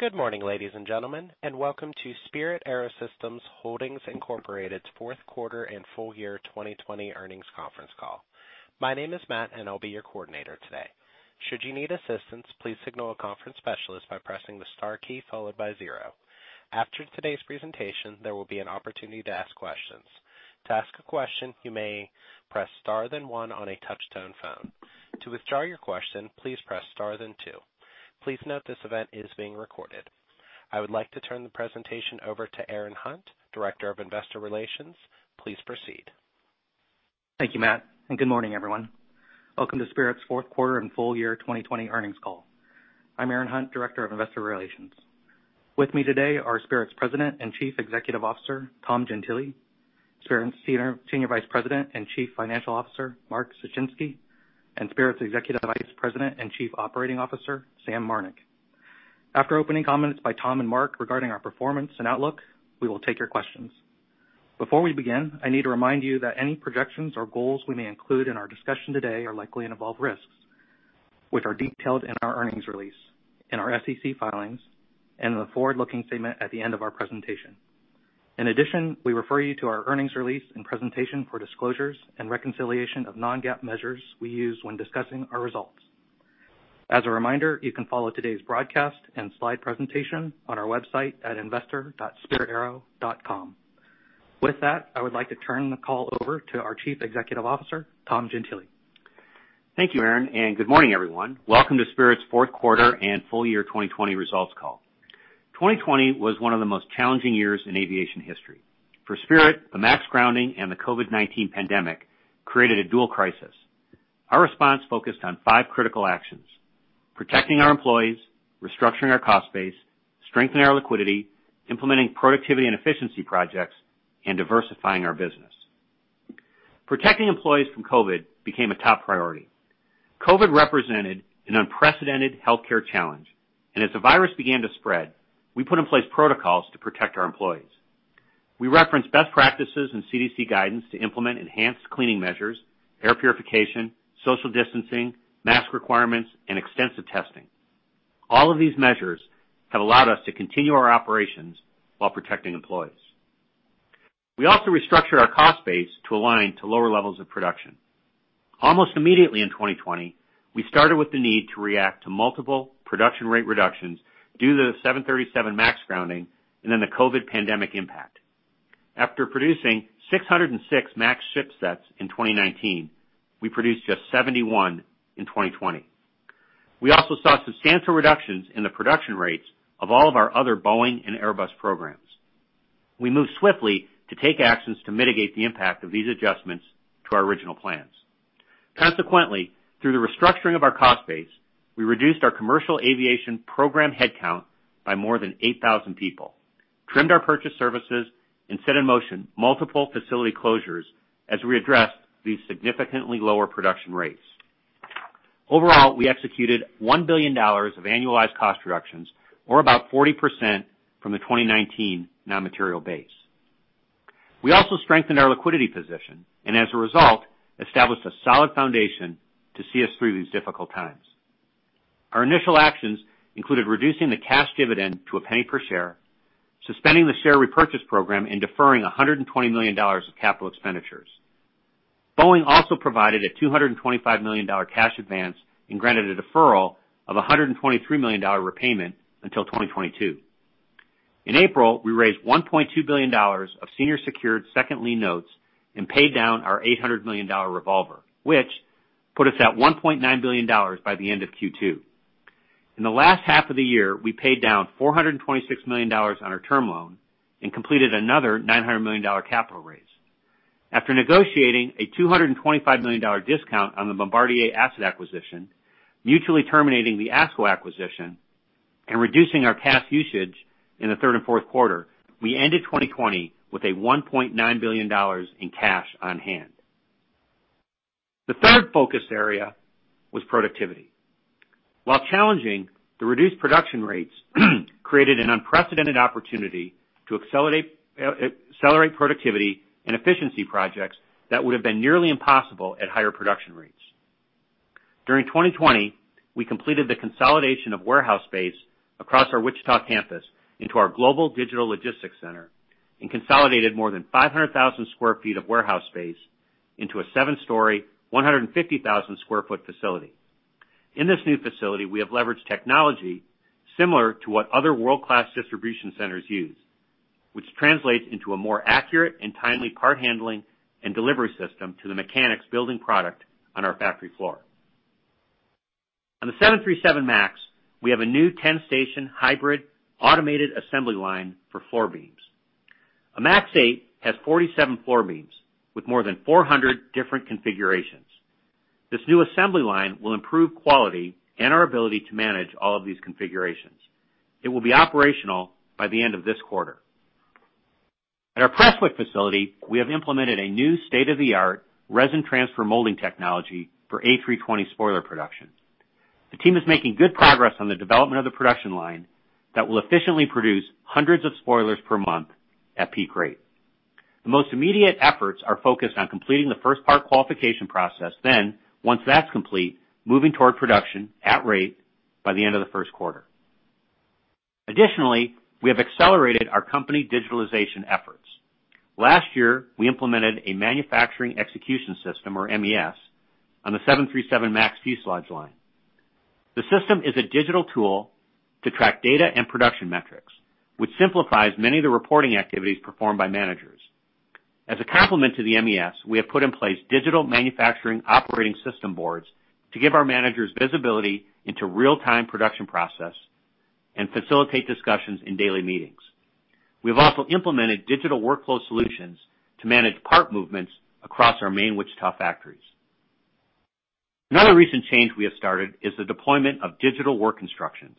Good morning, ladies and gentlemen, and welcome to Spirit AeroSystems Holdings Incorporated's fourth quarter and full year 2020 earnings conference call. My name is Matt, and I'll be your coordinator today. Should you need assistance, please signal a conference specialist by pressing the star key followed by zero. After today's presentation, there will be an opportunity to ask questions. To ask a question, you may press star, then one on a touch-tone phone. To withdraw your question, please press star, then two. Please note this event is being recorded. I would like to turn the presentation over to Aaron Hunt, Director of Investor Relations. Please proceed. Thank you, Matt, and good morning, everyone. Welcome to Spirit's fourth quarter and full year 2020 earnings call. I'm Aaron Hunt, Director of Investor Relations. With me today are Spirit's President and Chief Executive Officer, Tom Gentile, Spirit's Senior Vice President and Chief Financial Officer, Mark Suchinski, and Spirit's Executive Vice President and Chief Operating Officer, Sam Marnick. After opening comments by Tom and Mark regarding our performance and outlook, we will take your questions. Before we begin, I need to remind you that any projections or goals we may include in our discussion today are likely to involve risks, which are detailed in our earnings release, in our SEC filings, and in the forward-looking statement at the end of our presentation. In addition, we refer you to our earnings release and presentation for disclosures and reconciliation of non-GAAP measures we use when discussing our results. As a reminder, you can follow today's broadcast and slide presentation on our website at investor.spiritaero.com. With that, I would like to turn the call over to our Chief Executive Officer, Tom Gentile. Thank you, Aaron, and good morning, everyone. Welcome to Spirit's fourth quarter and full year 2020 results call. 2020 was one of the most challenging years in aviation history. For Spirit, the MAX grounding and the COVID-19 pandemic created a dual crisis. Our response focused on five critical actions: protecting our employees, restructuring our cost base, strengthening our liquidity, implementing productivity and efficiency projects, and diversifying our business. Protecting employees from COVID became a top priority. COVID represented an unprecedented healthcare challenge, and as the virus began to spread, we put in place protocols to protect our employees. We referenced best practices and CDC guidance to implement enhanced cleaning measures, air purification, social distancing, mask requirements, and extensive testing. All of these measures have allowed us to continue our operations while protecting employees. We also restructured our cost base to align to lower levels of production. Almost immediately in 2020, we started with the need to react to multiple production rate reductions due to the 737 MAX grounding and then the COVID pandemic impact. After producing 606 MAX shipsets in 2019, we produced just 71 in 2020. We also saw substantial reductions in the production rates of all of our other Boeing and Airbus programs. We moved swiftly to take actions to mitigate the impact of these adjustments to our original plans. Consequently, through the restructuring of our cost base, we reduced our commercial aviation program headcount by more than 8,000 people, trimmed our purchase services, and set in motion multiple facility closures as we addressed these significantly lower production rates. Overall, we executed $1 billion of annualized cost reductions, or about 40% from the 2019 non-material base. We also strengthened our liquidity position and as a result, established a solid foundation to see us through these difficult times. Our initial actions included reducing the cash dividend to a penny per share, suspending the share repurchase program, and deferring $120 million of capital expenditures. Boeing also provided a $225 million cash advance and granted a deferral of a $123 million repayment until 2022. In April, we raised $1.2 billion of senior secured second lien notes and paid down our $800 million revolver, which put us at $1.9 billion by the end of Q2. In the last half of the year, we paid down $426 million on our term loan and completed another $900 million capital raise. After negotiating a $225 million discount on the Bombardier asset acquisition, mutually terminating the ASCO acquisition, and reducing our cash usage in the third and fourth quarter, we ended 2020 with a $1.9 billion in cash on hand. The third focus area was productivity. While challenging, the reduced production rates created an unprecedented opportunity to accelerate productivity and efficiency projects that would have been nearly impossible at higher production rates. During 2020, we completed the consolidation of warehouse space across our Wichita campus into our Global Digital Logistics Center and consolidated more than 500,000 sq ft of warehouse space into a seven-story, 150,000 sq ft facility. In this new facility, we have leveraged technology similar to what other world-class distribution centers use, which translates into a more accurate and timely part handling and delivery system to the mechanics building product on our factory floor. On the 737 MAX, we have a new 10-station hybrid automated assembly line for floor beams. A 737 MAX 8 has 47 floor beams with more than 400 different configurations. This new assembly line will improve quality and our ability to manage all of these configurations. It will be operational by the end of this quarter. At our Prestwick facility, we have implemented a new state-of-the-art resin transfer molding technology for A320 spoiler production. The team is making good progress on the development of the production line that will efficiently produce hundreds of spoilers per month at peak rate. The most immediate efforts are focused on completing the first part qualification process, then once that's complete, moving toward production at rate by the end of the first quarter. Additionally, we have accelerated our company digitalization efforts. Last year, we implemented a manufacturing execution system, or MES, on the 737 MAX fuselage line. The system is a digital tool to track data and production metrics, which simplifies many of the reporting activities performed by managers. As a complement to the MES, we have put in place digital manufacturing operating system boards to give our managers visibility into real-time production process and facilitate discussions in daily meetings. We've also implemented digital workflow solutions to manage part movements across our main Wichita factories. Another recent change we have started is the deployment of digital work instructions.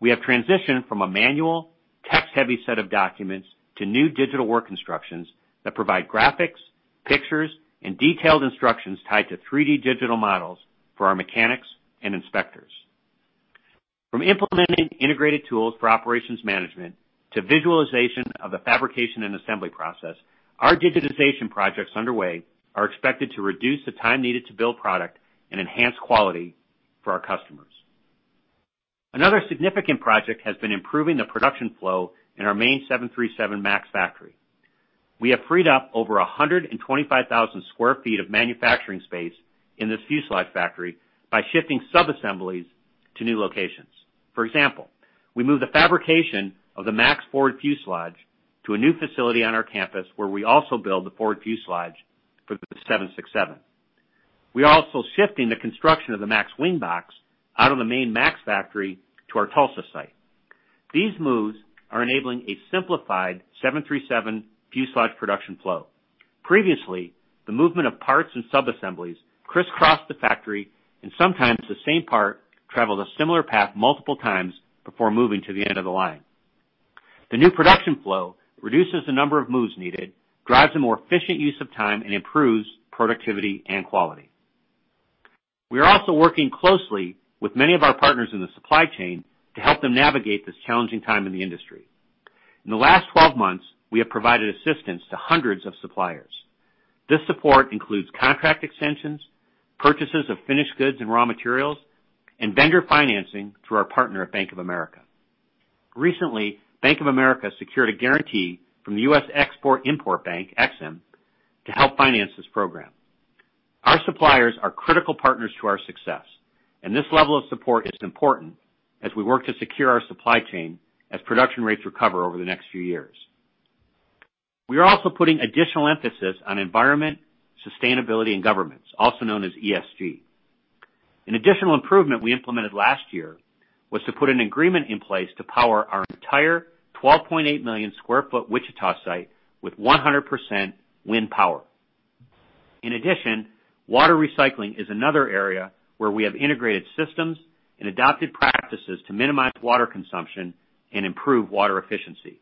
We have transitioned from a manual, text-heavy set of documents to new digital work instructions that provide graphics, pictures, and detailed instructions tied to 3D digital models for our mechanics and inspectors. From implementing integrated tools for operations management to visualization of the fabrication and assembly process, our digitization projects underway are expected to reduce the time needed to build product and enhance quality for our customers. Another significant project has been improving the production flow in our main 737 MAX factory. We have freed up over 125,000 sq ft of manufacturing space in this fuselage factory by shifting subassemblies to new locations. For example, we moved the fabrication of the MAX forward fuselage to a new facility on our campus, where we also build the forward fuselage for the 767. We are also shifting the construction of the MAX wing box out of the main MAX factory to our Tulsa site. These moves are enabling a simplified 737 fuselage production flow. Previously, the movement of parts and subassemblies crisscrossed the factory, and sometimes the same part traveled a similar path multiple times before moving to the end of the line. The new production flow reduces the number of moves needed, drives a more efficient use of time, and improves productivity and quality. We are also working closely with many of our partners in the supply chain to help them navigate this challenging time in the industry. In the last 12 months, we have provided assistance to hundreds of suppliers. This support includes contract extensions, purchases of finished goods and raw materials, and vendor financing through our partner at Bank of America. Recently, Bank of America secured a guarantee from the US Export-Import Bank, EXIM, to help finance this program. Our suppliers are critical partners to our success, and this level of support is important as we work to secure our supply chain as production rates recover over the next few years. We are also putting additional emphasis on environment, sustainability, and governance, also known as ESG. An additional improvement we implemented last year was to put an agreement in place to power our entire 12.8 million sq ft Wichita site with 100% wind power. In addition, water recycling is another area where we have integrated systems and adopted practices to minimize water consumption and improve water efficiency.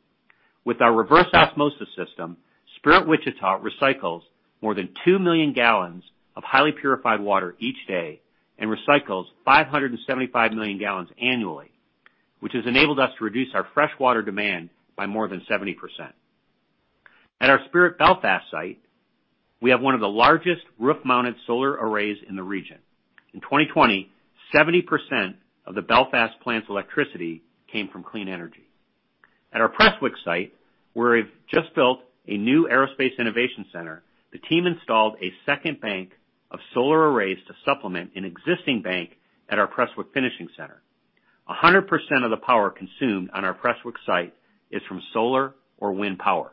With our reverse osmosis system, Spirit Wichita recycles more than 2 million gallons of highly purified water each day and recycles 575 million gallons annually, which has enabled us to reduce our fresh water demand by more than 70%. At our Spirit Belfast site, we have one of the largest roof-mounted solar arrays in the region. In 2020, 70% of the Belfast plant's electricity came from clean energy. At our Prestwick site, where we've just built a new Aerospace Innovation Center, the team installed a second bank of solar arrays to supplement an existing bank at our Prestwick finishing center. 100% of the power consumed on our Prestwick site is from solar or wind power.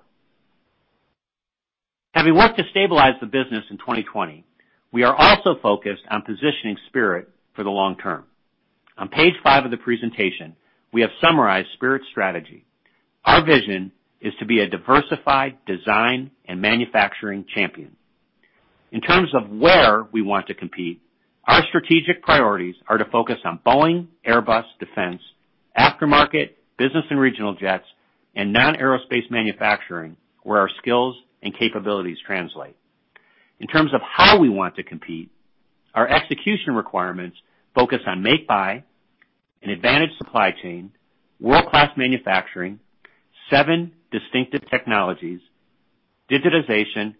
Having worked to stabilize the business in 2020, we are also focused on positioning Spirit for the long term. On page five of the presentation, we have summarized Spirit's strategy. Our vision is to be a diversified design and manufacturing champion. In terms of where we want to compete, our strategic priorities are to focus on Boeing, Airbus, Defense, aftermarket, business and regional jets, and non-aerospace manufacturing, where our skills and capabilities translate. In terms of how we want to compete, our execution requirements focus on make/buy, an advantage supply chain, world-class manufacturing, seven distinctive technologies, digitization,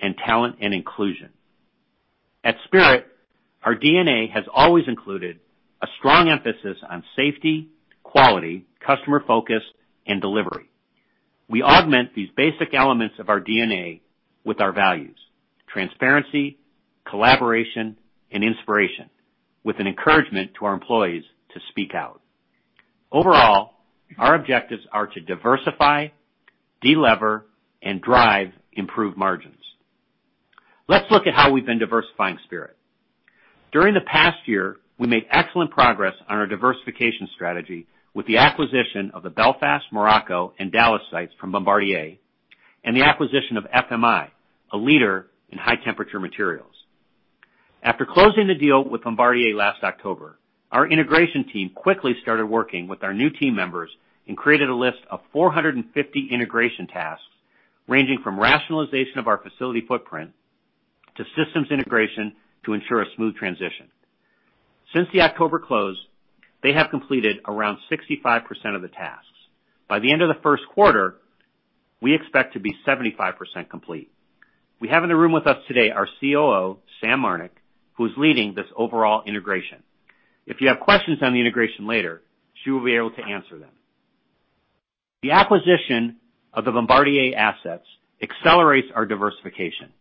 and talent and inclusion. At Spirit, our DNA has always included a strong emphasis on safety, quality, customer focus, and delivery. We augment these basic elements of our DNA with our values, transparency, collaboration, and inspiration, with an encouragement to our employees to speak out. Overall, our objectives are to diversify, de-lever, and drive improved margins. Let's look at how we've been diversifying Spirit. During the past year, we made excellent progress on our diversification strategy with the acquisition of the Belfast, Morocco, and Dallas sites from Bombardier, and the acquisition of FMI, a leader in high-temperature materials. After closing the deal with Bombardier last October, our integration team quickly started working with our new team members and created a list of 450 integration tasks, ranging from rationalization of our facility footprint to systems integration to ensure a smooth transition. Since the October close, they have completed around 65% of the tasks. By the end of the first quarter, we expect to be 75% complete. We have in the room with us today, our COO, Sam Marnick, who is leading this overall integration. If you have questions on the integration later, she will be able to answer them. The acquisition of the Bombardier assets accelerates our diversification.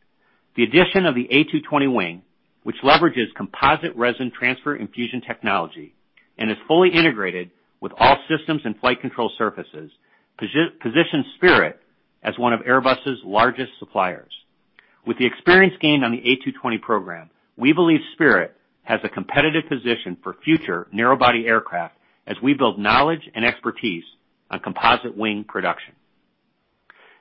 The addition of the A220 wing, which leverages composite resin transfer infusion technology and is fully integrated with all systems and flight control surfaces, positions Spirit as one of Airbus's largest suppliers. With the experience gained on the A220 program, we believe Spirit has a competitive position for future narrow body aircraft as we build knowledge and expertise on composite wing production.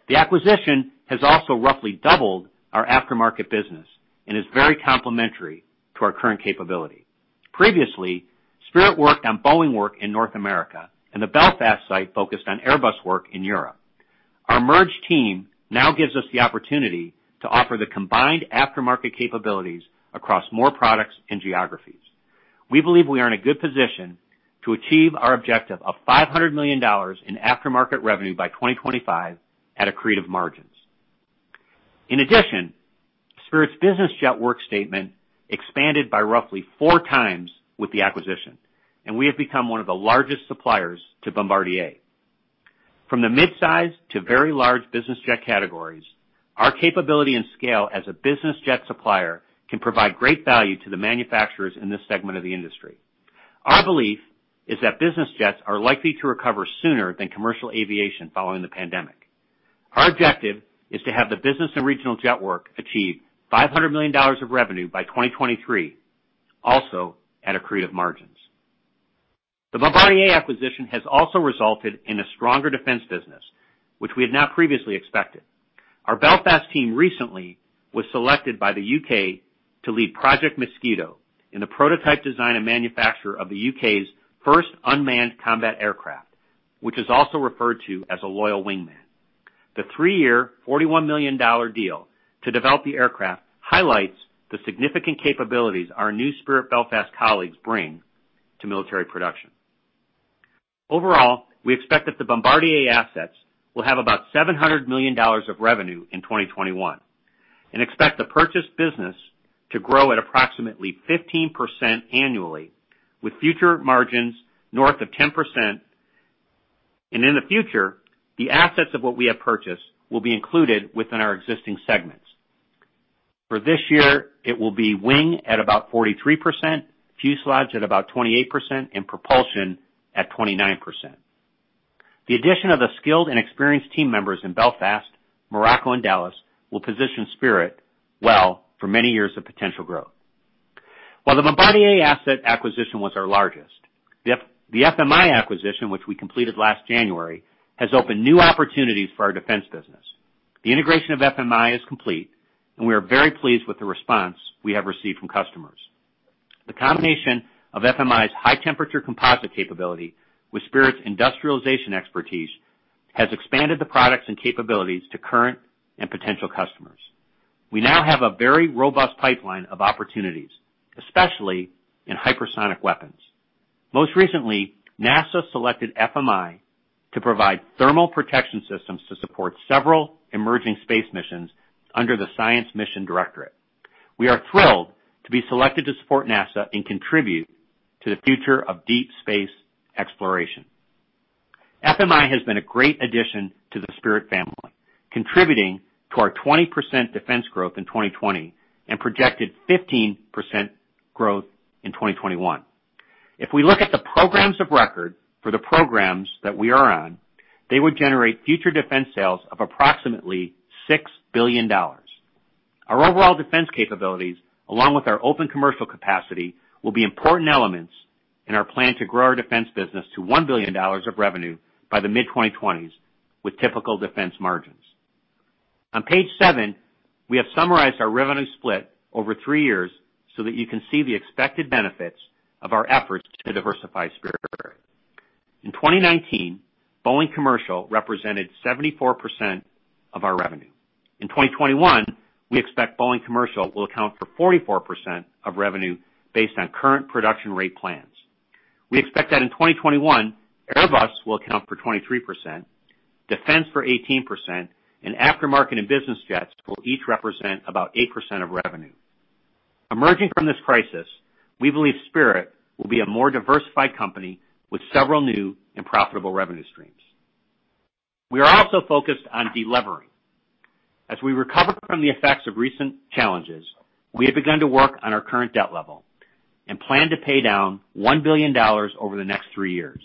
The acquisition has also roughly doubled our aftermarket business and is very complementary to our current capability. Previously, Spirit worked on Boeing work in North America, and the Belfast site focused on Airbus work in Europe. Our merged team now gives us the opportunity to offer the combined aftermarket capabilities across more products and geographies. We believe we are in a good position to achieve our objective of $500 million in aftermarket revenue by 2025 at accretive margins. In addition, Spirit's business jet work statement expanded by roughly 4 times with the acquisition, and we have become one of the largest suppliers to Bombardier. From the mid-size to very large business jet categories, our capability and scale as a business jet supplier can provide great value to the manufacturers in this segment of the industry. Our belief is that business jets are likely to recover sooner than commercial aviation following the pandemic. Our objective is to have the business and regional jet work achieve $500 million of revenue by 2023, also at accretive margins. The Bombardier acquisition has also resulted in a stronger defense business, which we had not previously expected. Our Belfast team recently was selected by the U.K. to lead Project Mosquito in the prototype design and manufacture of the U.K.'s first unmanned combat aircraft, which is also referred to as a loyal wingman. The 3-year, $41 million deal to develop the aircraft highlights the significant capabilities our new Spirit Belfast colleagues bring to military production. Overall, we expect that the Bombardier assets will have about $700 million of revenue in 2021, and expect the purchase business to grow at approximately 15% annually, with future margins north of 10%. And in the future, the assets of what we have purchased will be included within our existing segments. For this year, it will be wing at about 43%, fuselages at about 28%, and propulsion at 29%. The addition of the skilled and experienced team members in Belfast, Morocco, and Dallas will position Spirit well for many years of potential growth. While the Bombardier asset acquisition was our largest, the FMI acquisition, which we completed last January, has opened new opportunities for our defense business. The integration of FMI is complete, and we are very pleased with the response we have received from customers. The combination of FMI's high temperature composite capability with Spirit's industrialization expertise, has expanded the products and capabilities to current and potential customers. We now have a very robust pipeline of opportunities, especially in hypersonic weapons. Most recently, NASA selected FMI to provide thermal protection systems to support several emerging space missions under the Science Mission Directorate. We are thrilled to be selected to support NASA and contribute to the future of deep space exploration. FMI has been a great addition to the Spirit family, contributing to our 20% defense growth in 2020, and projected 15% growth in 2021. If we look at the programs of record for the programs that we are on, they would generate future defense sales of approximately $6 billion. Our overall defense capabilities, along with our open commercial capacity, will be important elements in our plan to grow our defense business to $1 billion of revenue by the mid-2020s, with typical defense margins. On page 7, we have summarized our revenue split over three years so that you can see the expected benefits of our efforts to diversify Spirit. In 2019, Boeing Commercial represented 74% of our revenue. In 2021, we expect Boeing Commercial will account for 44% of revenue, based on current production rate plans. We expect that in 2021, Airbus will account for 23%, defense for 18%, and aftermarket and business jets will each represent about 8% of revenue. Emerging from this crisis, we believe Spirit will be a more diversified company with several new and profitable revenue streams. We are also focused on delevering. As we recover from the effects of recent challenges, we have begun to work on our current debt level and plan to pay down $1 billion over the next 3 years.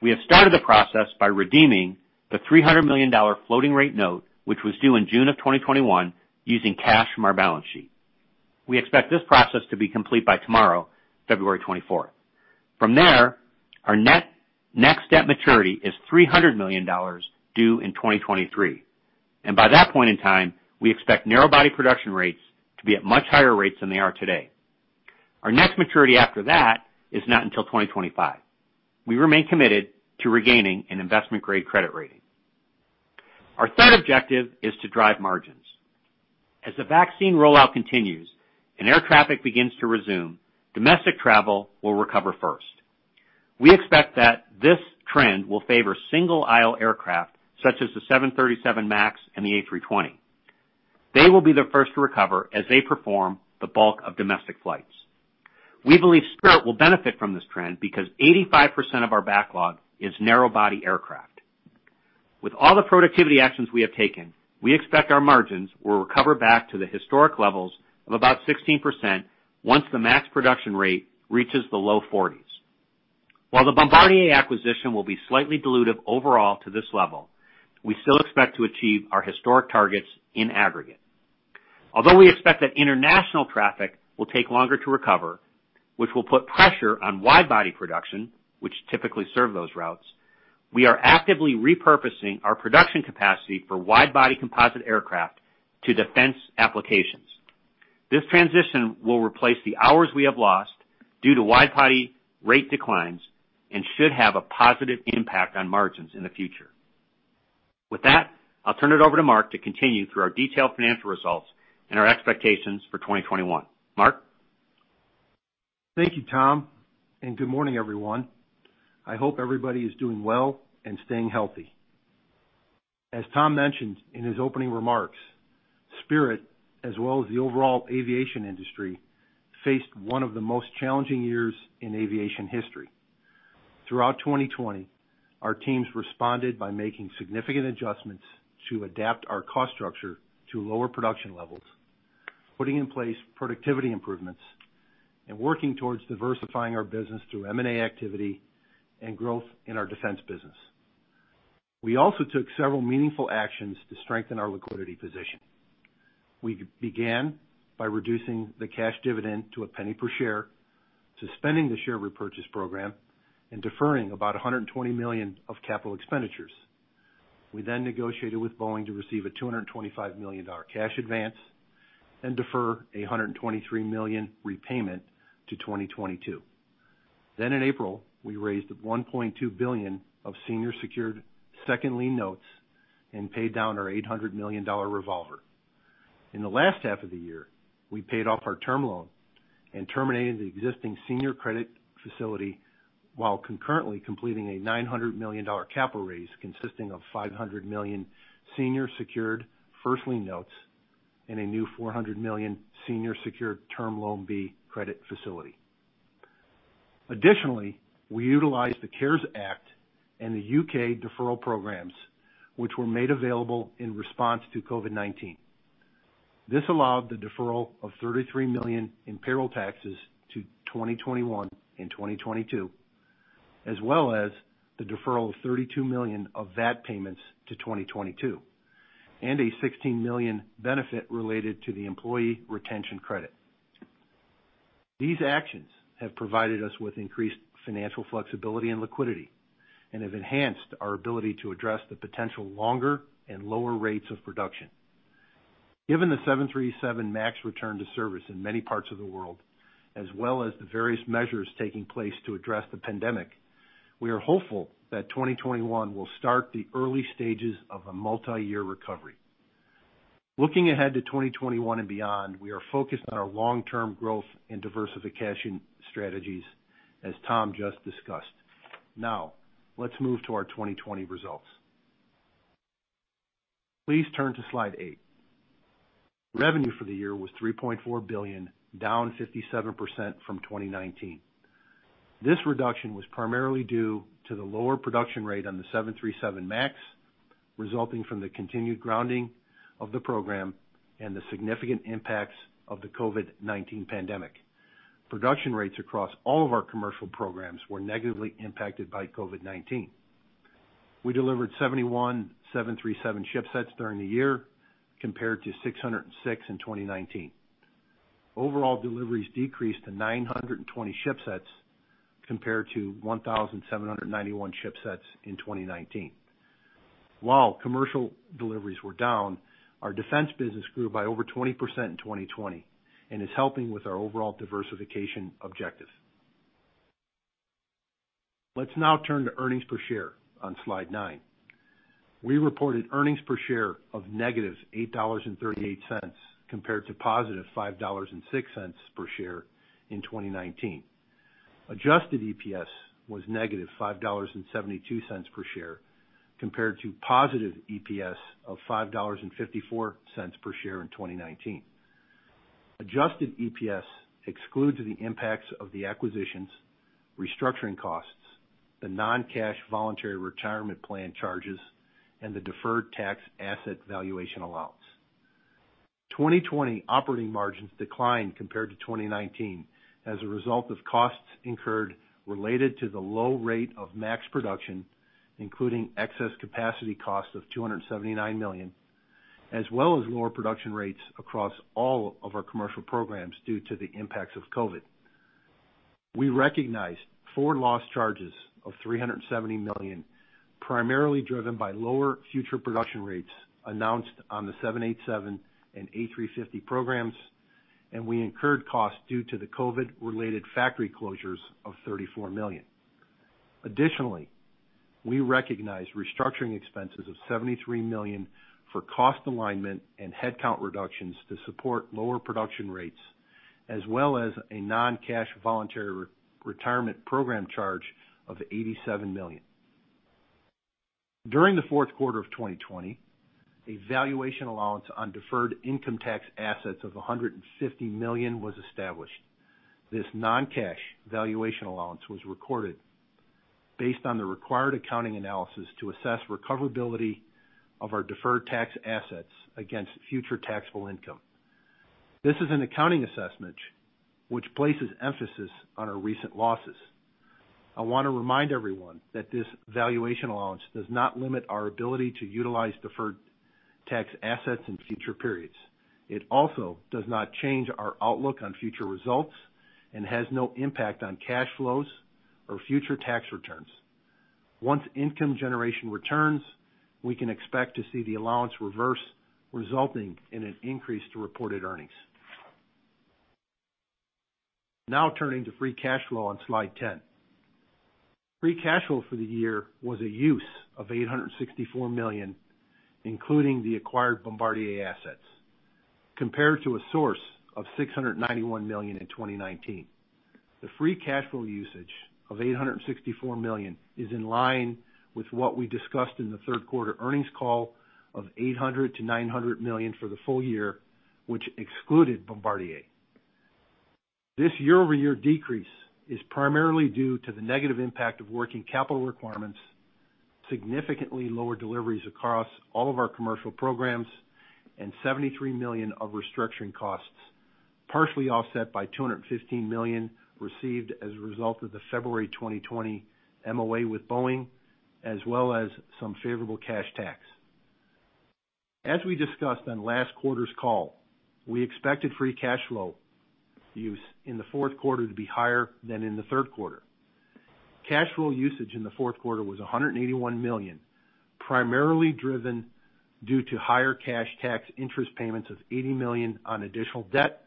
We have started the process by redeeming the $300 million floating rate note, which was due in June of 2021, using cash from our balance sheet. We expect this process to be complete by tomorrow, February 24. From there, our next debt maturity is $300 million, due in 2023, and by that point in time, we expect narrow-body production rates to be at much higher rates than they are today. Our next maturity after that is not until 2025. We remain committed to regaining an investment-grade credit rating. Our third objective is to drive margins. As the vaccine rollout continues and air traffic begins to resume, domestic travel will recover first. We expect that this trend will favor single-aisle aircraft, such as the 737 MAX and the A320. They will be the first to recover as they perform the bulk of domestic flights. We believe Spirit will benefit from this trend because 85% of our backlog is narrow-body aircraft. With all the productivity actions we have taken, we expect our margins will recover back to the historic levels of about 16% once the MAX production rate reaches the low 40s. While the Bombardier acquisition will be slightly dilutive overall to this level, we still expect to achieve our historic targets in aggregate. Although we expect that international traffic will take longer to recover, which will put pressure on wide-body production, which typically serve those routes, we are actively repurposing our production capacity for wide-body composite aircraft to defense applications. This transition will replace the hours we have lost due to wide-body rate declines and should have a positive impact on margins in the future. With that, I'll turn it over to Mark to continue through our detailed financial results and our expectations for 2021. Mark? Thank you, Tom, and good morning, everyone. I hope everybody is doing well and staying healthy. As Tom mentioned in his opening remarks, Spirit, as well as the overall aviation industry, faced one of the most challenging years in aviation history. Throughout 2020, our teams responded by making significant adjustments to adapt our cost structure to lower production levels, putting in place productivity improvements, and working towards diversifying our business through M&A activity and growth in our defense business. We also took several meaningful actions to strengthen our liquidity position. We began by reducing the cash dividend to a penny per share, suspending the share repurchase program, and deferring about $120 million of capital expenditures. We then negotiated with Boeing to receive a $225 million cash advance and defer $123 million repayment to 2022. Then in April, we raised $1.2 billion of senior secured second lien notes and paid down our $800 million revolver. In the last half of the year, we paid off our term loan and terminated the existing senior credit facility, while concurrently completing a $900 million capital raise, consisting of $500 million senior secured first lien notes and a new $400 million senior secured Term Loan B credit facility. Additionally, we utilized the CARES Act and the U.K. deferral programs, which were made available in response to COVID-19. This allowed the deferral of $33 million in payroll taxes to 2021 and 2022, as well as the deferral of $32 million of VAT payments to 2022, and a $16 million benefit related to the employee retention credit. These actions have provided us with increased financial flexibility and liquidity and have enhanced our ability to address the potential longer and lower rates of production. Given the 737 MAX return to service in many parts of the world, as well as the various measures taking place to address the pandemic, we are hopeful that 2021 will start the early stages of a multiyear recovery. Looking ahead to 2021 and beyond, we are focused on our long-term growth and diversification strategies, as Tom just discussed. Now, let's move to our 2020 results. Please turn to slide 8. Revenue for the year was $3.4 billion, down 57% from 2019. This reduction was primarily due to the lower production rate on the 737 MAX, resulting from the continued grounding of the program and the significant impacts of the COVID-19 pandemic. Production rates across all of our commercial programs were negatively impacted by COVID-19. We delivered 71 737 shipsets during the year, compared to 606 in 2019. Overall deliveries decreased to 920 shipsets, compared to 1,791 shipsets in 2019. While commercial deliveries were down, our defense business grew by over 20% in 2020 and is helping with our overall diversification objective. Let's now turn to earnings per share on slide 9. We reported earnings per share of -$8.38, compared to $5.06 per share in 2019. Adjusted EPS was -$5.72 per share, compared to positive EPS of $5.54 per share in 2019. Adjusted EPS excludes the impacts of the acquisitions, restructuring costs, the non-cash voluntary retirement plan charges, and the deferred tax asset valuation allowance. 2020 operating margins declined compared to 2019 as a result of costs incurred related to the low rate of MAX production, including excess capacity costs of $279 million, as well as lower production rates across all of our commercial programs due to the impacts of COVID. We recognized forward loss charges of $370 million, primarily driven by lower future production rates announced on the 787 and A350 programs, and we incurred costs due to the COVID-related factory closures of $34 million. Additionally, we recognized restructuring expenses of $73 million for cost alignment and headcount reductions to support lower production rates, as well as a non-cash voluntary retirement program charge of $87 million. During the fourth quarter of 2020, a valuation allowance on deferred tax assets of $150 million was established. This non-cash valuation allowance was recorded based on the required accounting analysis to assess recoverability of our deferred tax assets against future taxable income. This is an accounting assessment which places emphasis on our recent losses. I want to remind everyone that this valuation allowance does not limit our ability to utilize deferred tax assets in future periods. It also does not change our outlook on future results and has no impact on cash flows or future tax returns. Once income generation returns, we can expect to see the allowance reverse, resulting in an increase to reported earnings. Now turning to free cash flow on slide 10. Free cash flow for the year was a use of $864 million, including the acquired Bombardier assets, compared to a source of $691 million in 2019. The free cash flow usage of $864 million is in line with what we discussed in the third quarter earnings call of $800 million-$900 million for the full year, which excluded Bombardier. This year-over-year decrease is primarily due to the negative impact of working capital requirements, significantly lower deliveries across all of our commercial programs, and $73 million of restructuring costs, partially offset by $215 million received as a result of the February 2020 MOA with Boeing, as well as some favorable cash tax. As we discussed on last quarter's call, we expected free cash flow use in the fourth quarter to be higher than in the third quarter. Cash flow usage in the fourth quarter was $181 million, primarily driven due to higher cash tax interest payments of $80 million on additional debt,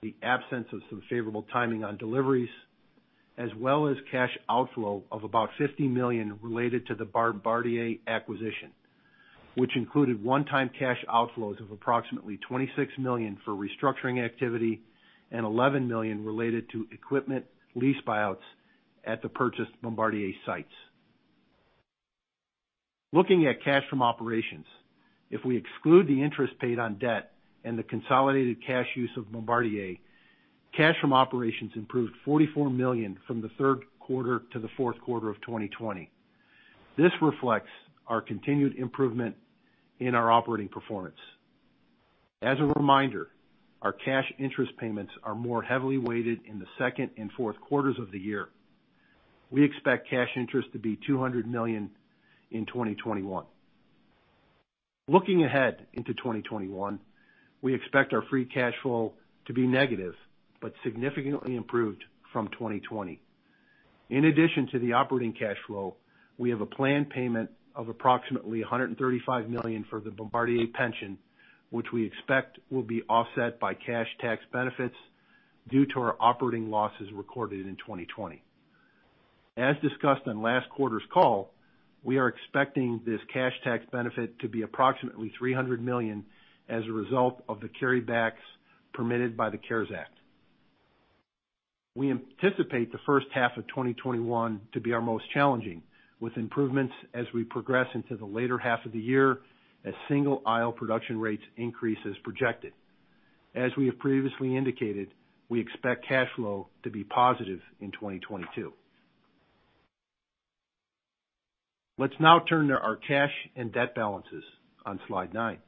the absence of some favorable timing on deliveries, as well as cash outflow of about $50 million related to the Bombardier acquisition, which included one-time cash outflows of approximately $26 million for restructuring activity and $11 million related to equipment lease buyouts at the purchased Bombardier sites. Looking at cash from operations, if we exclude the interest paid on debt and the consolidated cash use of Bombardier, cash from operations improved $44 million from the third quarter to the fourth quarter of 2020. This reflects our continued improvement in our operating performance. As a reminder, our cash interest payments are more heavily weighted in the second and fourth quarters of the year. We expect cash interest to be $200 million in 2021. Looking ahead into 2021, we expect our free cash flow to be negative, but significantly improved from 2020. In addition to the operating cash flow, we have a planned payment of approximately $135 million for the Bombardier pension, which we expect will be offset by cash tax benefits due to our operating losses recorded in 2020. As discussed on last quarter's call, we are expecting this cash tax benefit to be approximately $300 million as a result of the carrybacks permitted by the CARES Act. We anticipate the first half of 2021 to be our most challenging, with improvements as we progress into the later half of the year, as single aisle production rates increase as projected. As we have previously indicated, we expect cash flow to be positive in 2022. Let's now turn to our cash and debt balances on slide 9.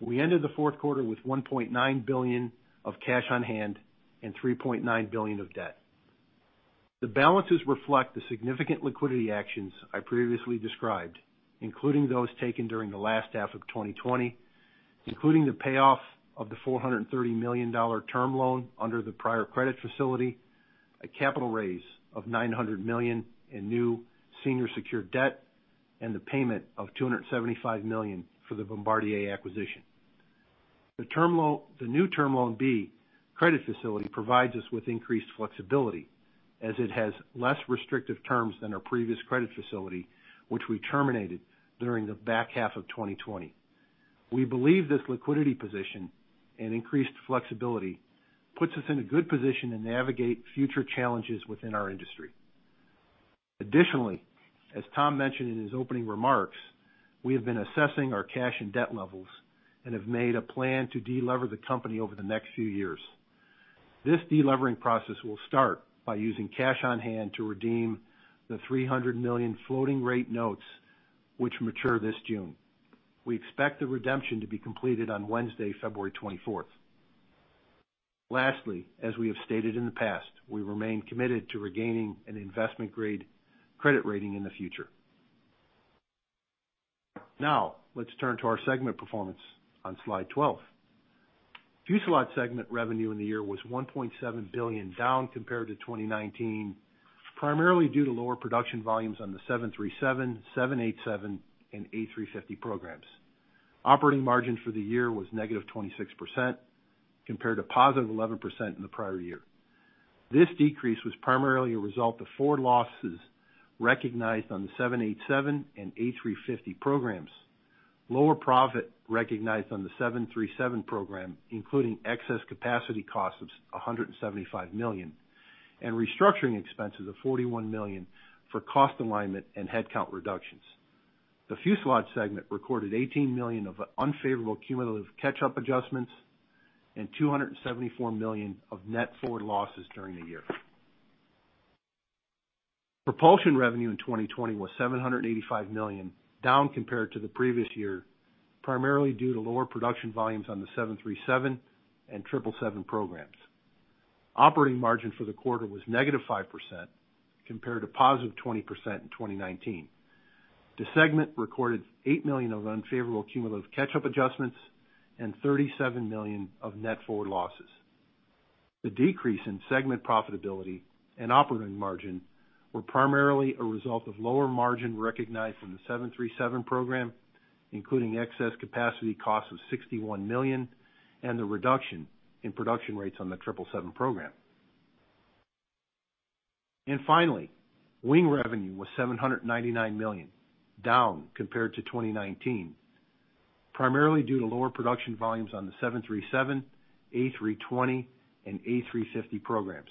We ended the fourth quarter with $1.9 billion of cash on hand and $3.9 billion of debt. The balances reflect the significant liquidity actions I previously described, including those taken during the last half of 2020, including the payoff of the $430 million term loan under the prior credit facility, a capital raise of $900 million in new senior secured debt, and the payment of $275 million for the Bombardier acquisition. The new Term Loan B credit facility provides us with increased flexibility, as it has less restrictive terms than our previous credit facility, which we terminated during the back half of 2020. We believe this liquidity position and increased flexibility puts us in a good position to navigate future challenges within our industry. Additionally, as Tom mentioned in his opening remarks, we have been assessing our cash and debt levels and have made a plan to delever the company over the next few years. This delevering process will start by using cash on hand to redeem the $300 million floating rate notes which mature this June. We expect the redemption to be completed on Wednesday, February 24. Lastly, as we have stated in the past, we remain committed to regaining an investment-grade credit rating in the future. Now, let's turn to our segment performance on slide 12. Fuselage segment revenue in the year was $1.7 billion, down compared to 2019, primarily due to lower production volumes on the 737, 787, and A350 programs. Operating margin for the year was -26%, compared to +11% in the prior year. This decrease was primarily a result of forward losses recognized on the 787 and A350 programs. Lower profit recognized on the 737 program, including excess capacity costs of $175 million, and restructuring expenses of $41 million for cost alignment and headcount reductions. The Fuselage segment recorded $18 million of unfavorable cumulative catch-up adjustments, and $274 million of net forward losses during the year. Propulsion revenue in 2020 was $785 million, down compared to the previous year, primarily due to lower production volumes on the 737 and 777 programs. Operating margin for the quarter was -5% compared to 20% in 2019. The segment recorded $8 million of unfavorable cumulative catch-up adjustments and $37 million of net forward losses. The decrease in segment profitability and operating margin were primarily a result of lower margin recognized in the 737 program, including excess capacity costs of $61 million and the reduction in production rates on the 777 program. Finally, wing revenue was $799 million, down compared to 2019, primarily due to lower production volumes on the 737, A320, and A350 programs.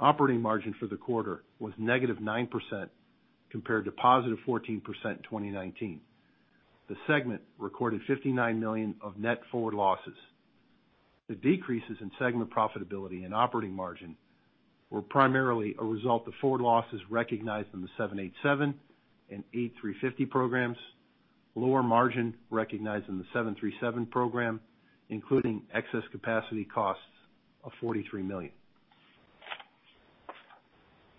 Operating margin for the quarter was negative 9% compared to positive 14% in 2019. The segment recorded $59 million of net forward losses. The decreases in segment profitability and operating margin were primarily a result of forward losses recognized in the 787 and A350 programs, lower margin recognized in the 737 program, including excess capacity costs of $43 million.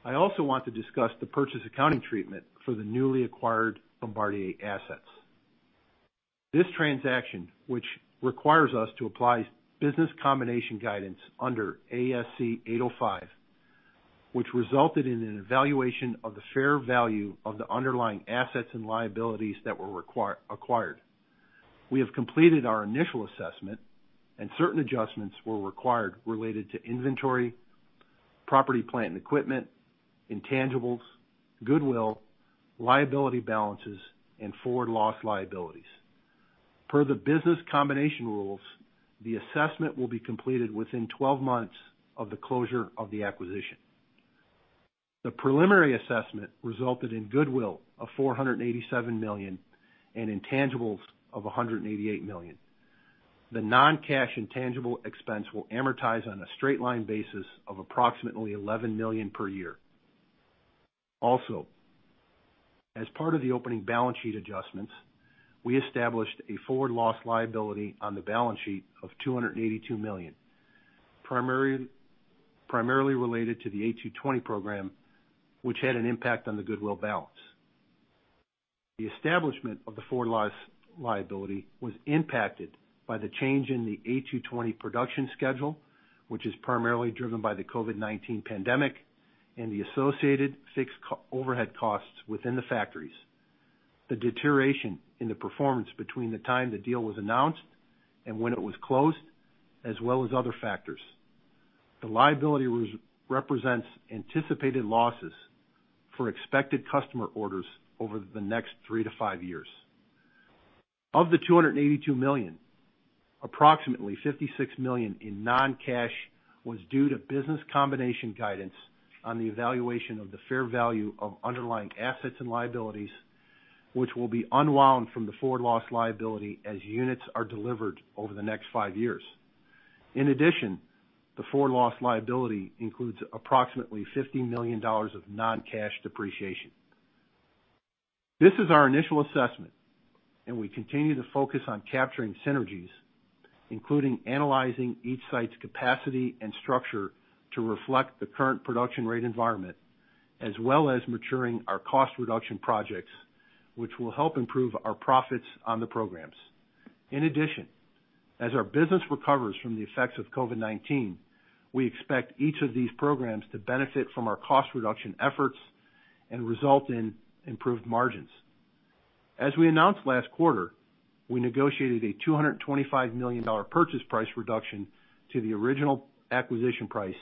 I also want to discuss the purchase accounting treatment for the newly acquired Bombardier assets. This transaction, which requires us to apply business combination guidance under ASC 805, which resulted in an evaluation of the fair value of the underlying assets and liabilities that were acquired. We have completed our initial assessment, and certain adjustments were required related to inventory, property, plant, and equipment, intangibles, goodwill, liability balances, and forward loss liabilities. Per the business combination rules, the assessment will be completed within 12 months of the closure of the acquisition. The preliminary assessment resulted in goodwill of $487 million and intangibles of $188 million. The non-cash intangible expense will amortize on a straight line basis of approximately $11 million per year. Also, as part of the opening balance sheet adjustments, we established a forward loss liability on the balance sheet of $282 million, primarily related to the A220 program, which had an impact on the goodwill balance. The establishment of the forward loss liability was impacted by the change in the A220 production schedule, which is primarily driven by the COVID-19 pandemic and the associated fixed overhead costs within the factories, the deterioration in the performance between the time the deal was announced and when it was closed, as well as other factors. The liability represents anticipated losses for expected customer orders over the next three to five years. Of the $282 million, approximately $56 million in non-cash was due to business combination guidance on the evaluation of the fair value of underlying assets and liabilities, which will be unwound from the forward loss liability as units are delivered over the next five years. In addition, the forward loss liability includes approximately $50 million of non-cash depreciation. This is our initial assessment, and we continue to focus on capturing synergies, including analyzing each site's capacity and structure to reflect the current production rate environment, as well as maturing our cost reduction projects, which will help improve our profits on the programs. In addition, as our business recovers from the effects of COVID-19, we expect each of these programs to benefit from our cost reduction efforts and result in improved margins. As we announced last quarter, we negotiated a $225 million purchase price reduction to the original acquisition price,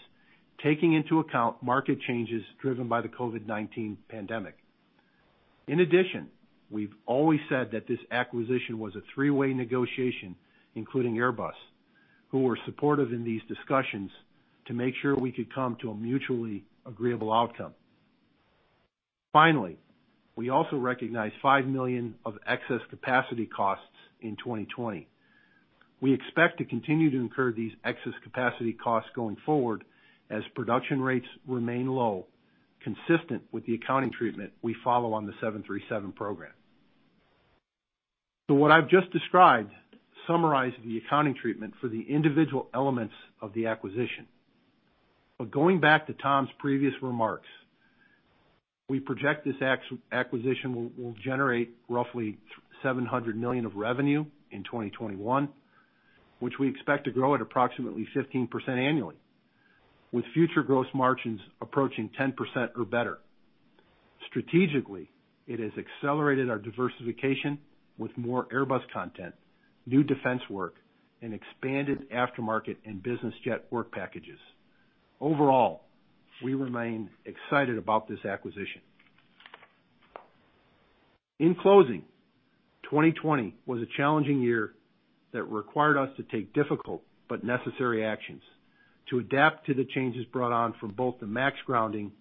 taking into account market changes driven by the COVID-19 pandemic. In addition, we've always said that this acquisition was a three-way negotiation, including Airbus, who were supportive in these discussions to make sure we could come to a mutually agreeable outcome. Finally, we also recognized $5 million of excess capacity costs in 2020. We expect to continue to incur these excess capacity costs going forward as production rates remain low, consistent with the accounting treatment we follow on the 737 program. So what I've just described summarizes the accounting treatment for the individual elements of the acquisition. But going back to Tom's previous remarks, we project this acquisition will generate roughly $700 million of revenue in 2021, which we expect to grow at approximately 15% annually, with future gross margins approaching 10% or better. Strategically, it has accelerated our diversification with more Airbus content, new defense work, and expanded aftermarket and business jet work packages. Overall, we remain excited about this acquisition. In closing, 2020 was a challenging year that required us to take difficult but necessary actions to adapt to the changes brought on from both the MAX grounding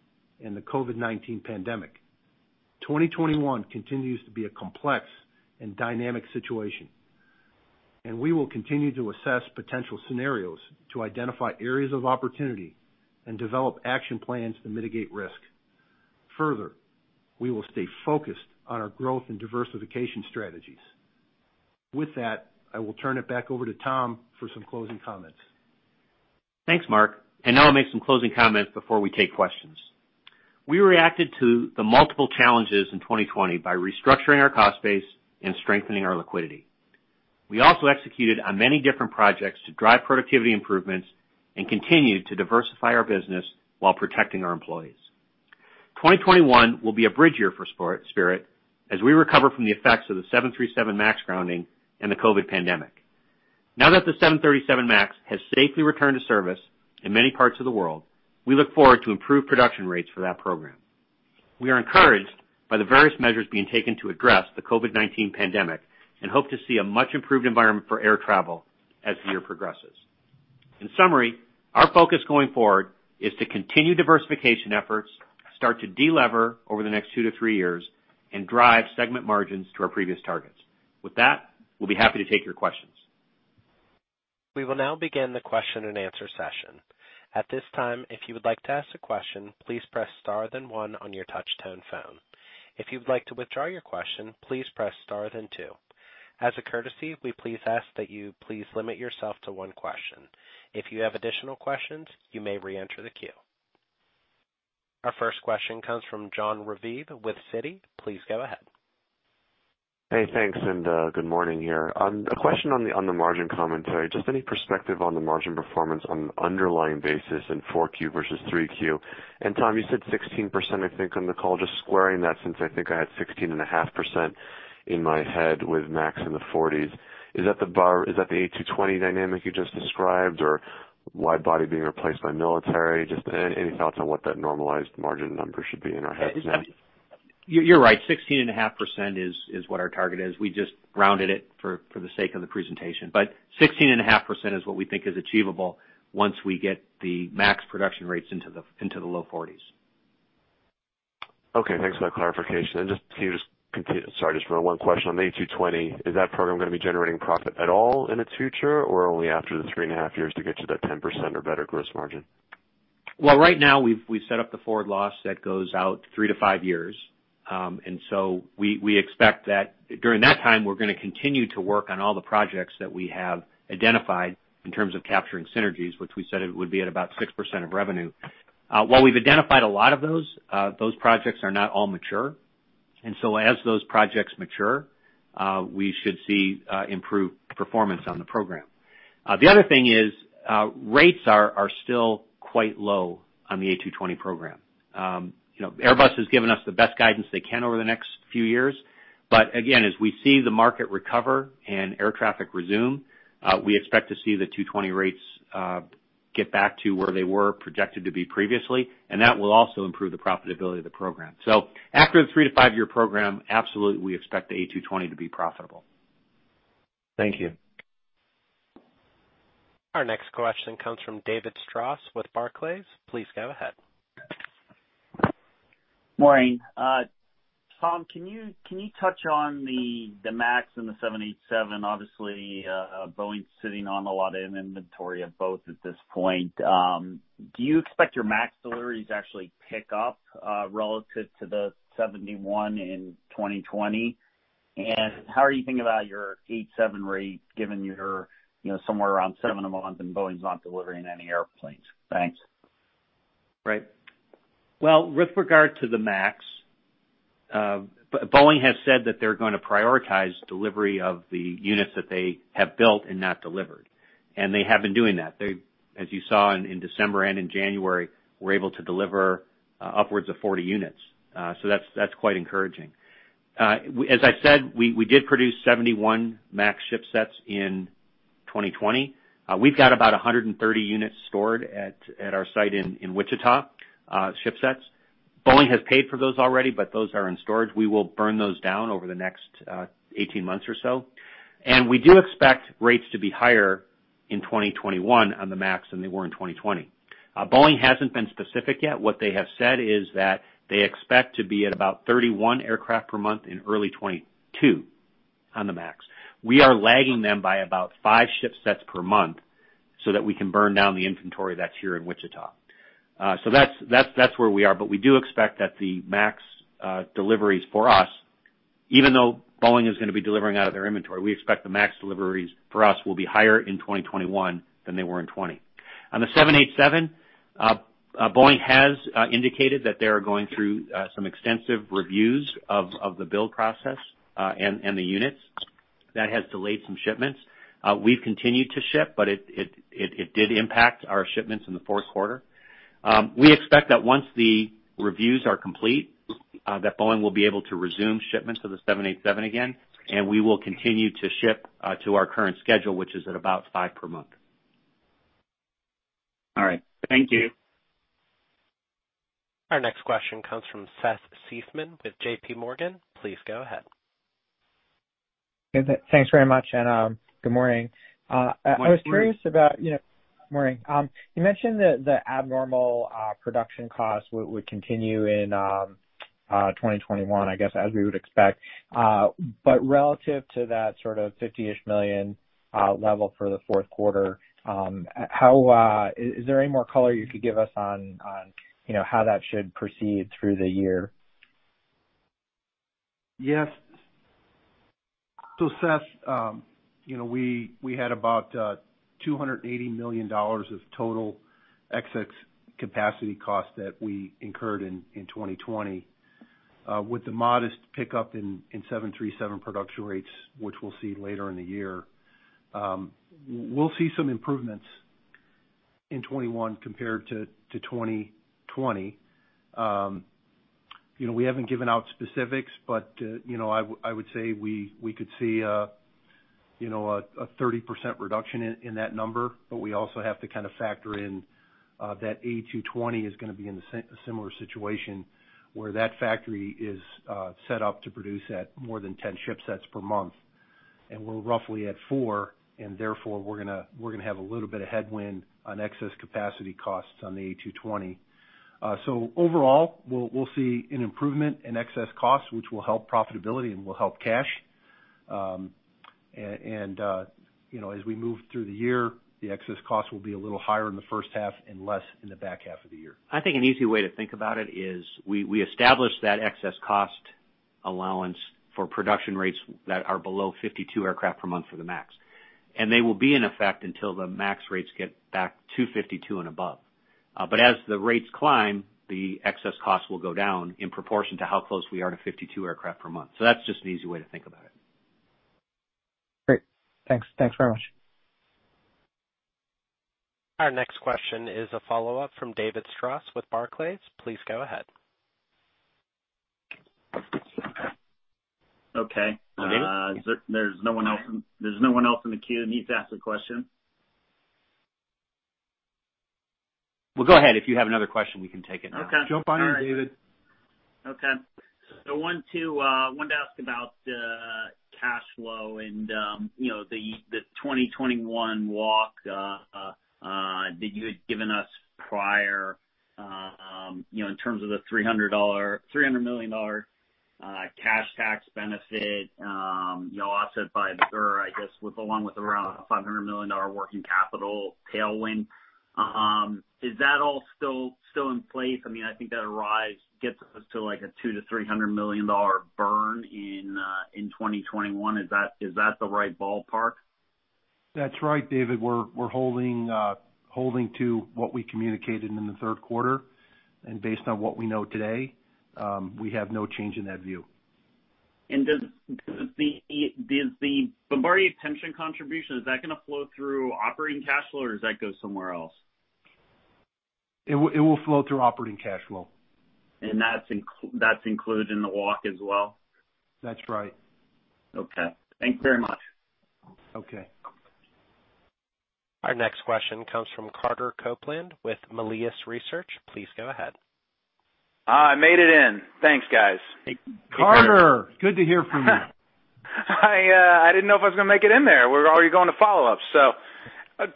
and the COVID-19 pandemic. 2021 continues to be a complex and dynamic situation, and we will continue to assess potential scenarios to identify areas of opportunity and develop action plans to mitigate risk. Further, we will stay focused on our growth and diversification strategies. With that, I will turn it back over to Tom for some closing comments. Thanks, Mark, and now I'll make some closing comments before we take questions. We reacted to the multiple challenges in 2020 by restructuring our cost base and strengthening our liquidity. We also executed on many different projects to drive productivity improvements and continued to diversify our business while protecting our employees. 2021 will be a bridge year for Spirit, as we recover from the effects of the 737 MAX grounding and the COVID pandemic. Now that the 737 MAX has safely returned to service in many parts of the world, we look forward to improved production rates for that program. We are encouraged by the various measures being taken to address the COVID-19 pandemic and hope to see a much improved environment for air travel as the year progresses. In summary, our focus going forward is to continue diversification efforts, start to delever over the next 2-3 years, and drive segment margins to our previous targets. With that, we'll be happy to take your questions. We will now begin the question-and-answer session. At this time, if you would like to ask a question, please press star then one on your touchtone phone. If you would like to withdraw your question, please press star then two. As a courtesy, we please ask that you please limit yourself to one question. If you have additional questions, you may reenter the queue. Our first question comes from Jonathan Raviv with Citi. Please go ahead. Hey, thanks, and good morning here. A question on the margin commentary. Just any perspective on the margin performance on an underlying basis in 4Q versus 3Q? And Tom, you said 16%, I think, on the call. Just squaring that since I think I had 16.5% in my head with MAX in the 40s. Is that the A220 dynamic you just described, or wide body being replaced by military? Just any thoughts on what that normalized margin number should be in our heads now? You're right, 16.5% is what our target is. We just rounded it for the sake of the presentation, but 16.5% is what we think is achievable once we get the MAX production rates into the low 40s. Okay, thanks for that clarification. And just can you just. Sorry, just one more question. On the A220, is that program going to be generating profit at all in its future or only after the 3.5 years to get to that 10% or better gross margin? Well, right now we've set up the forward loss that goes out 3-5 years. And so we expect that during that time, we're going to continue to work on all the projects that we have identified in terms of capturing synergies, which we said it would be at about 6% of revenue. While we've identified a lot of those, those projects are not all mature, and so as those projects mature, we should see improved performance on the program. The other thing is, rates are still quite low on the A220 program. You know, Airbus has given us the best guidance they can over the next few years, but again, as we see the market recover and air traffic resume, we expect to see the A220 rates get back to where they were projected to be previously, and that will also improve the profitability of the program. So after the 3-5-year program, absolutely, we expect the A220 to be profitable. Thank you. Our next question comes from David Strauss with Barclays. Please go ahead. Morning. Tom, can you, can you touch on the, the MAX and the 787? Obviously, Boeing's sitting on a lot of inventory of both at this point. Do you expect your MAX deliveries to actually pick up, relative to the 71 in 2020? And how are you thinking about your 787 rate, given you're, you know, somewhere around 7 a month and Boeing's not delivering any airplanes? Thanks. Right. Well, with regard to the MAX, Boeing has said that they're going to prioritize delivery of the units that they have built and not delivered, and they have been doing that. They, as you saw in December and in January, were able to deliver upwards of 40 units. So that's quite encouraging. As I said, we did produce 71 MAX ship sets in 2020. We've got about 130 units stored at our site in Wichita, ship sets. Boeing has paid for those already, but those are in storage. We will burn those down over the next 18 months or so. We do expect rates to be higher in 2021 on the MAX than they were in 2020. Boeing hasn't been specific yet. What they have said is that they expect to be at about 31 aircraft per month in early 2022 on the MAX. We are lagging them by about 5 shipsets per month, so that we can burn down the inventory that's here in Wichita. So that's, that's, that's where we are, but we do expect that the MAX deliveries for us, even though Boeing is going to be delivering out of their inventory, we expect the MAX deliveries for us will be higher in 2021 than they were in 2020. On the 787, Boeing has indicated that they are going through some extensive reviews of the build process and the units that has delayed some shipments. We've continued to ship, but it did impact our shipments in the fourth quarter. We expect that once the reviews are complete, that Boeing will be able to resume shipments of the 787 again, and we will continue to ship to our current schedule, which is at about 5 per month. All right. Thank you. Our next question comes from Seth Seifman with JPMorgan. Please go ahead. Good, thanks very much, and, good morning. Good morning. I was curious about, you know, morning. You mentioned that the abnormal production costs would, would continue in 2021, I guess, as we would expect. But relative to that sort of $50-ish million level for the fourth quarter, how is, is there any more color you could give us on, on, you know, how that should proceed through the year? Yes. So, Seth, you know, we had about $280 million of total excess capacity costs that we incurred in 2020. With the modest pickup in 737 production rates, which we'll see later in the year, we'll see some improvements in 2021 compared to 2020. You know, we haven't given out specifics, but you know, I would say we could see a 30% reduction in that number. But we also have to kind of factor in that A220 is gonna be in a similar situation, where that factory is set up to produce at more than 10 shipsets per month, and we're roughly at 4, and therefore, we're gonna have a little bit of headwind on excess capacity costs on the A220. So overall, we'll see an improvement in excess costs, which will help profitability and will help cash. And you know, as we move through the year, the excess cost will be a little higher in the first half and less in the back half of the year. I think an easy way to think about it is we established that excess cost allowance for production rates that are below 52 aircraft per month for the Max. They will be in effect until the Max rates get back to 52 and above. But as the rates climb, the excess costs will go down in proportion to how close we are to 52 aircraft per month. So that's just an easy way to think about it. Great. Thanks. Thanks very much. Our next question is a follow-up from David Strauss with Barclays. Please go ahead. Okay. Hi, David. Is there no one else in the queue that needs to ask a question? Well, go ahead. If you have another question, we can take it now. Okay. Jump on in, David. Okay. So I wanted to ask about cash flow and, you know, the 2021 walk that you had given us prior, you know, in terms of the $300 million cash tax benefit, you know, offset by the burn, I guess, along with around a $500 million working capital tailwind. Is that all still in place? I mean, I think that rise gets us to, like, a $200-$300 million burn in 2021. Is that the right ballpark? That's right, David. We're holding to what we communicated in the third quarter. Based on what we know today, we have no change in that view. Does the Bombardier pension contribution, is that gonna flow through operating cash flow, or does that go somewhere else? It will flow through operating cash flow. And that's included in the walk as well? That's right. Okay. Thank you very much. Okay. Our next question comes from Carter Copeland with Melius Research. Please go ahead. Ah, I made it in! Thanks, guys. Hey, Carter. Carter, good to hear from you. I, I didn't know if I was gonna make it in there. We're already going to follow-ups. So,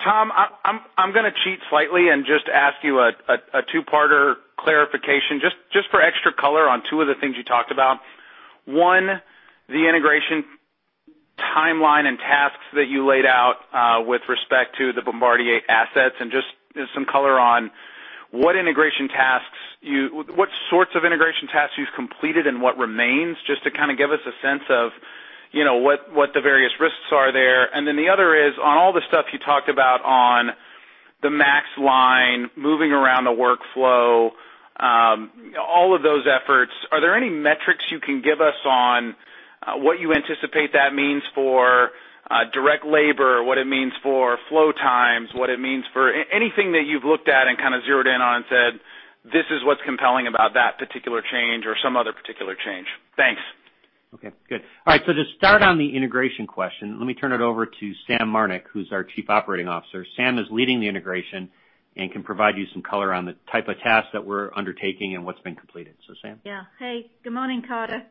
Tom, I'm gonna cheat slightly and just ask you a two-parter clarification, just for extra color on two of the things you talked about. One, the integration timeline and tasks that you laid out, with respect to the Bombardier assets, and just some color on what integration tasks you—what sorts of integration tasks you've completed and what remains, just to kind of give us a sense of, you know, what the various risks are there. And then the other is, on all the stuff you talked about on the Max line, moving around the workflow, all of those efforts, are there any metrics you can give us on, what you anticipate that means for, direct labor? What it means for flow times, what it means for... anything that you've looked at and kind of zeroed in on and said, "This is what's compelling about that particular change or some other particular change." Thanks. Okay, good. All right, so to start on the integration question, let me turn it over to Sam Marnick, who's our Chief Operating Officer. Sam is leading the integration and can provide you some color on the type of tasks that we're undertaking and what's been completed. So, Sam? Yeah. Hey, good morning, Carter.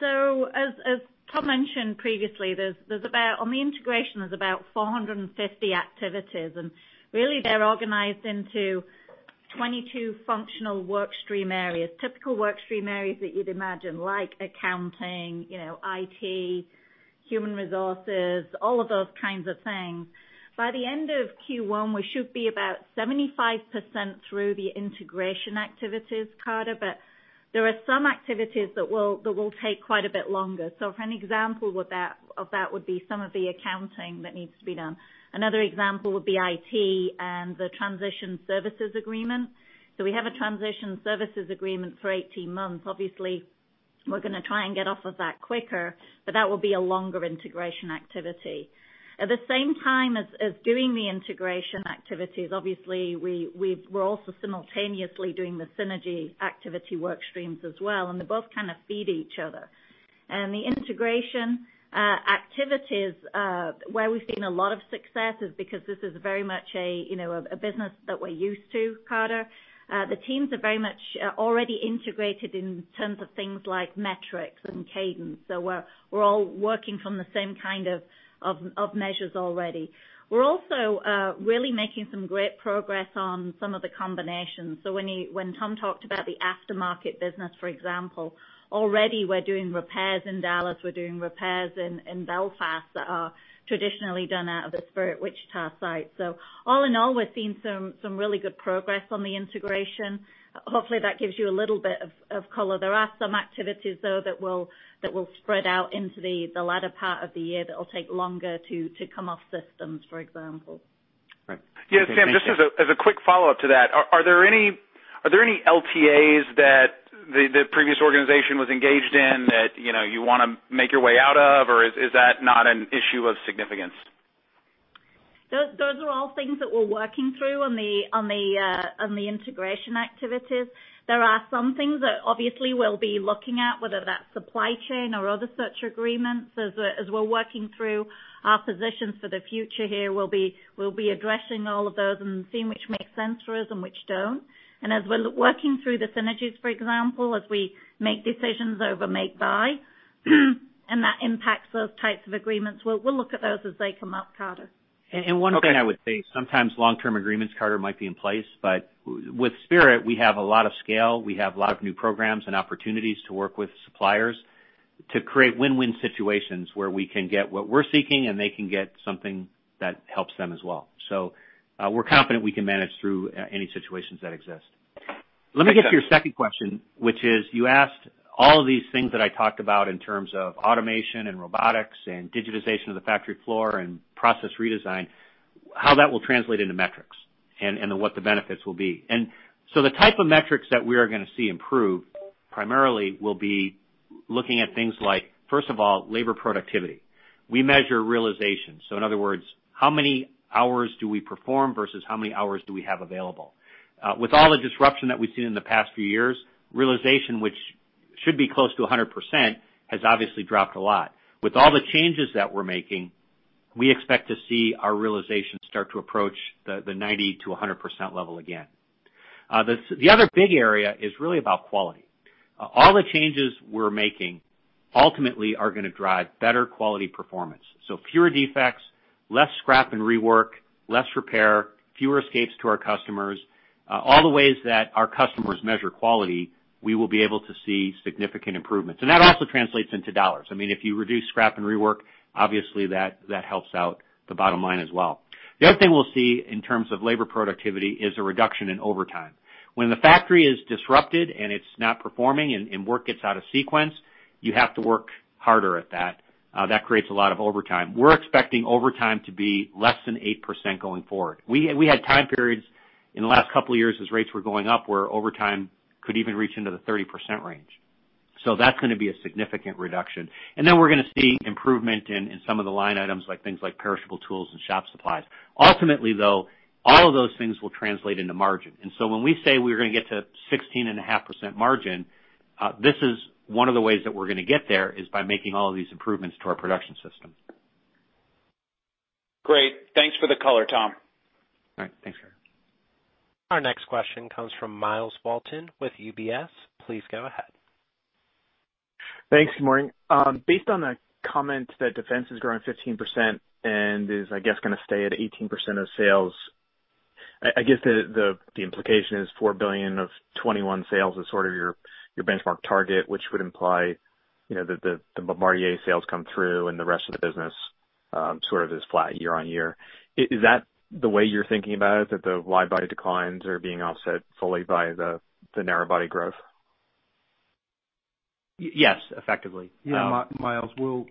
So as Tom mentioned previously, there's about -- on the integration, there's about 450 activities, and really, they're organized into 22 functional work stream areas. Typical work stream areas that you'd imagine, like accounting, you know, IT, human resources, all of those kinds of things. By the end of Q1, we should be about 75% through the integration activities, Carter, but there are some activities that will take quite a bit longer. So for an example with that, of that, would be some of the accounting that needs to be done. Another example would be IT and the transition services agreement. So we have a transition services agreement for 18 months. Obviously-... We're gonna try and get off of that quicker, but that will be a longer integration activity. At the same time as doing the integration activities, obviously, we're also simultaneously doing the synergy activity work streams as well, and they both kind of feed each other. And the integration activities where we've seen a lot of success is because this is very much a, you know, a business that we're used to, Carter. The teams are very much already integrated in terms of things like metrics and cadence. So we're all working from the same kind of measures already. We're also really making some great progress on some of the combinations. So when Tom talked about the aftermarket business, for example, already we're doing repairs in Dallas, we're doing repairs in Belfast that are traditionally done out of the Spirit Wichita site. So all in all, we're seeing some really good progress on the integration. Hopefully, that gives you a little bit of color. There are some activities, though, that will spread out into the latter part of the year that will take longer to come off systems, for example. Right. Yes, Sam, just as a quick follow-up to that, are there any LTAs that the previous organization was engaged in that, you know, you wanna make your way out of, or is that not an issue of significance? Those are all things that we're working through on the integration activities. There are some things that obviously we'll be looking at, whether that's supply chain or other such agreements. As we're working through our positions for the future here, we'll be addressing all of those and seeing which make sense for us and which don't. And as we're working through the synergies, for example, as we make decisions over make, buy, and that impacts those types of agreements, we'll look at those as they come up, Carter. And one thing I would say, sometimes long-term agreements, Carter, might be in place, but with Spirit, we have a lot of scale, we have a lot of new programs and opportunities to work with suppliers to create win-win situations where we can get what we're seeking, and they can get something that helps them as well. So, we're confident we can manage through any situations that exist. Let me get to your second question, which is, you asked all of these things that I talked about in terms of automation and robotics and digitization of the factory floor and process redesign, how that will translate into metrics and what the benefits will be. And so the type of metrics that we are gonna see improve, primarily will be looking at things like, first of all, labor productivity. We measure realization, so in other words, how many hours do we perform versus how many hours do we have available? With all the disruption that we've seen in the past few years, realization, which should be close to 100%, has obviously dropped a lot. With all the changes that we're making, we expect to see our realization start to approach the 90%-100% level again. The other big area is really about quality. All the changes we're making ultimately are gonna drive better quality performance. So fewer defects, less scrap and rework, less repair, fewer escapes to our customers. All the ways that our customers measure quality, we will be able to see significant improvements. That also translates into dollars. I mean, if you reduce scrap and rework, obviously that, that helps out the bottom line as well. The other thing we'll see in terms of labor productivity is a reduction in overtime. When the factory is disrupted, and it's not performing and, and work gets out of sequence, you have to work harder at that. That creates a lot of overtime. We're expecting overtime to be less than 8% going forward. We, we had time periods in the last couple of years as rates were going up, where overtime could even reach into the 30% range. So that's gonna be a significant reduction. And then we're gonna see improvement in, in some of the line items, like things like perishable tools and shop supplies. Ultimately, though, all of those things will translate into margin. So when we say we're gonna get to 16.5% margin, this is one of the ways that we're gonna get there, is by making all of these improvements to our production system. Great. Thanks for the color, Tom. All right. Thanks, Carter. Our next question comes from Myles Walton with UBS. Please go ahead. Thanks, good morning. Based on the comments that defense is growing 15% and is, I guess, gonna stay at 18% of sales, I guess the implication is $4 billion of 2021 sales is sort of your benchmark target, which would imply, you know, that the Bombardier sales come through and the rest of the business sort of is flat year-on-year. Is that the way you're thinking about it, that the wide-body declines are being offset fully by the narrow-body growth? Yes, effectively. Yeah, Miles, we'll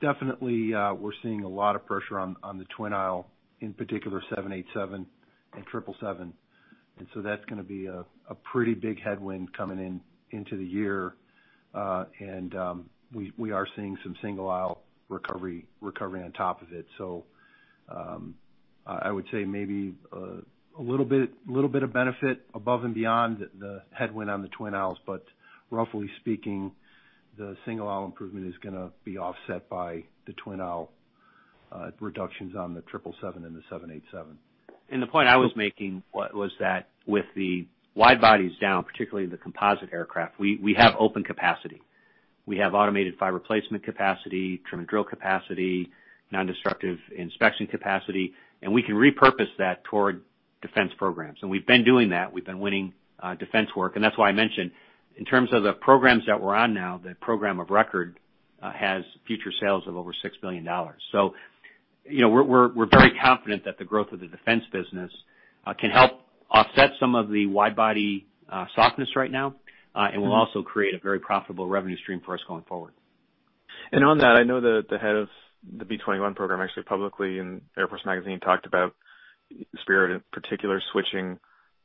definitely we're seeing a lot of pressure on the twin aisle, in particular, 787 and 777. And so that's gonna be a pretty big headwind coming into the year. And we are seeing some single aisle recovery on top of it. So I would say maybe a little bit of benefit above and beyond the headwind on the twin aisles, but roughly speaking, the single aisle improvement is gonna be offset by the twin aisle reductions on the 777 and the 787. The point I was making was that with the wide bodies down, particularly the composite aircraft, we have open capacity. We have automated fiber placement capacity, trim and drill capacity, nondestructive inspection capacity, and we can repurpose that toward defense programs. We've been doing that. We've been winning defense work, and that's why I mentioned, in terms of the programs that we're on now, the program of record has future sales of over $6 billion. So, you know, we're very confident that the growth of the defense business can help offset some of the wide-body softness right now and will also create a very profitable revenue stream for us going forward.... And on that, I know that the head of the B-21 program actually publicly in Air Force Magazine talked about Spirit, in particular, switching,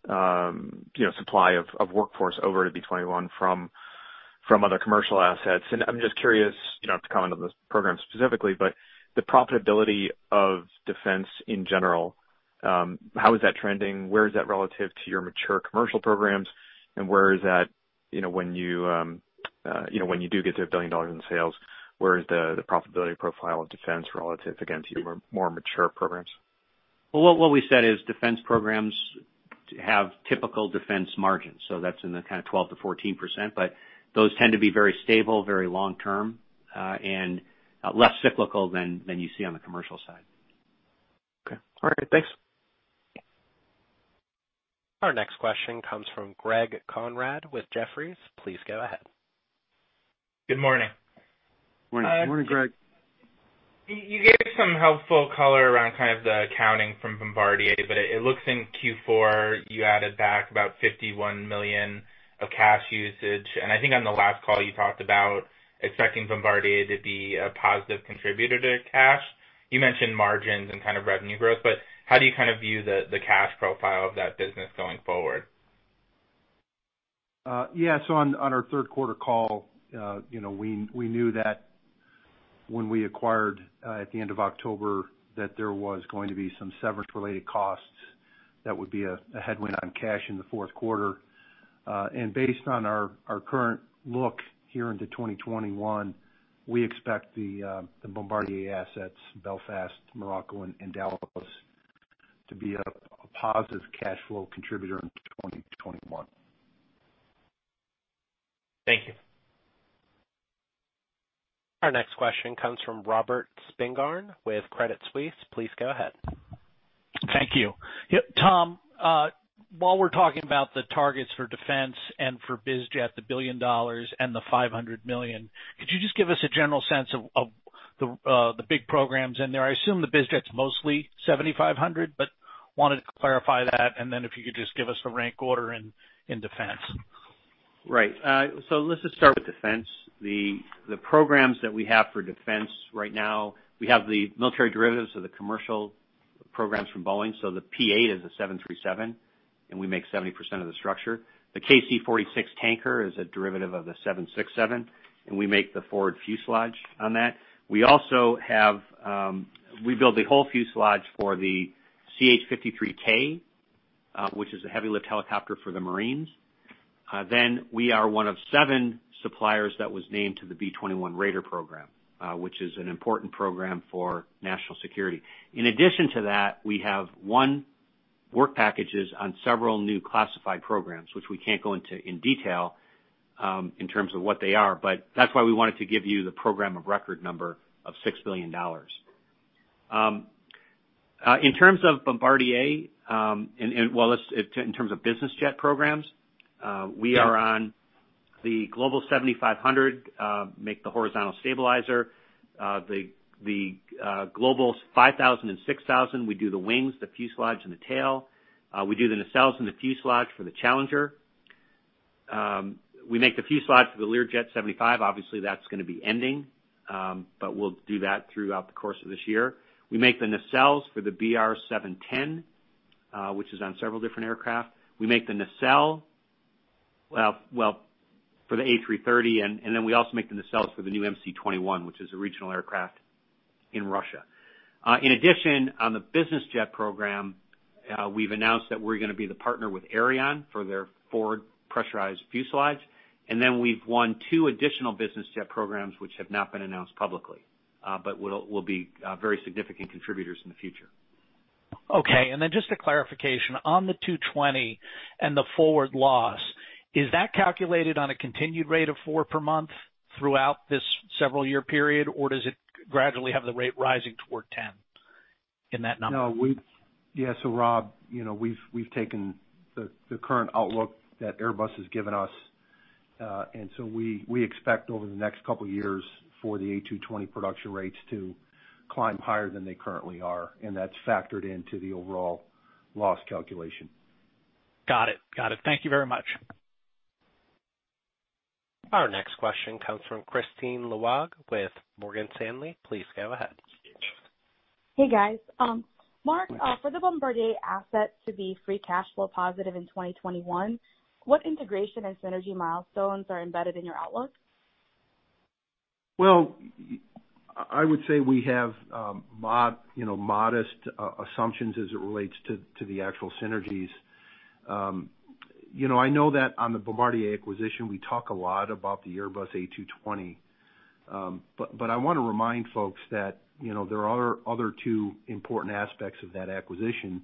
you know, supply of workforce over to B-21 from other commercial assets. And I'm just curious, you don't have to comment on this program specifically, but the profitability of defense in general, how is that trending? Where is that relative to your mature commercial programs, and where is that, you know, when you do get to $1 billion in sales, where is the profitability profile of defense relative against your more mature programs? Well, what we said is defense programs have typical defense margins, so that's in the kind of 12%-14%, but those tend to be very stable, very long term, and less cyclical than you see on the commercial side. Okay. All right. Thanks. Our next question comes from Greg Conrad with Jefferies. Please go ahead. Good morning. Morning, Greg. You gave some helpful color around kind of the accounting from Bombardier, but it looks in Q4, you added back about $51 million of cash usage. And I think on the last call, you talked about expecting Bombardier to be a positive contributor to cash. You mentioned margins and kind of revenue growth, but how do you kind of view the cash profile of that business going forward? Yeah. So on our third quarter call, you know, we knew that when we acquired at the end of October, that there was going to be some severance-related costs that would be a headwind on cash in the fourth quarter. And based on our current look here into 2021, we expect the Bombardier assets, Belfast, Morocco, and Dallas, to be a positive cash flow contributor in 2021. Thank you. Our next question comes from Robert Spingarn, with Credit Suisse. Please go ahead. Thank you. Yep, Tom, while we're talking about the targets for defense and for biz jet, the $1 billion and the $500 million, could you just give us a general sense of the big programs in there? I assume the biz jet's mostly 7500, but wanted to clarify that, and then if you could just give us a rank order in defense. Right. So let's just start with defense. The programs that we have for defense right now, we have the military derivatives of the commercial programs from Boeing. So the P-8 is a 737, and we make 70% of the structure. The KC-46 tanker is a derivative of the 767, and we make the forward fuselage on that. We also have. We build the whole fuselage for the CH-53K, which is a heavy lift helicopter for the Marines. Then we are one of seven suppliers that was named to the B-21 Raider program, which is an important program for national security. In addition to that, we have one work packages on several new classified programs, which we can't go into in detail, in terms of what they are, but that's why we wanted to give you the program of record number of $6 billion. In terms of Bombardier, in terms of business jet programs, we are on the Global 7500, make the horizontal stabilizer. The Global 5000 and 6000, we do the wings, the fuselage, and the tail. We do the nacelles and the fuselage for the Challenger. We make the fuselage for the Learjet 75. Obviously, that's gonna be ending, but we'll do that throughout the course of this year. We make the nacelles for the BR710, which is on several different aircraft. We make the nacelle for the A330, and then we also make the nacelles for the new MC-21, which is a regional aircraft in Russia. In addition, on the business jet program, we've announced that we're gonna be the partner with Aerion for their forward pressurized fuselages. And then we've won two additional business jet programs, which have not been announced publicly, but will be very significant contributors in the future. Okay, and then just a clarification. On the A220 and the forward loss, is that calculated on a continued rate of 4 per month throughout this several year period, or does it gradually have the rate rising toward 10 in that number? No, we. Yeah, so Rob, you know, we've taken the current outlook that Airbus has given us, and so we expect over the next couple of years for the A220 production rates to climb higher than they currently are, and that's factored into the overall loss calculation. Got it. Got it. Thank you very much. Our next question comes from Kristine Liwag with Morgan Stanley. Please go ahead. Hey, guys. Mark, for the Bombardier assets to be free cash flow positive in 2021, what integration and synergy milestones are embedded in your outlook? Well, I would say we have, you know, modest assumptions as it relates to the actual synergies. You know, I know that on the Bombardier acquisition, we talk a lot about the Airbus A220, but I want to remind folks that, you know, there are other two important aspects of that acquisition.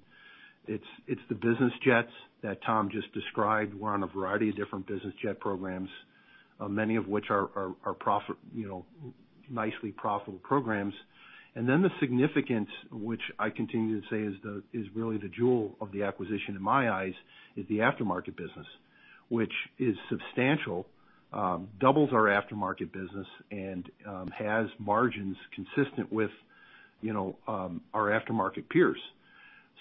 It's the business jets that Tom just described. We're on a variety of different business jet programs, many of which are profit, you know, nicely profitable programs. And then the significance, which I continue to say is really the jewel of the acquisition in my eyes, is the aftermarket business, which is substantial, doubles our aftermarket business and has margins consistent with, you know, our aftermarket peers.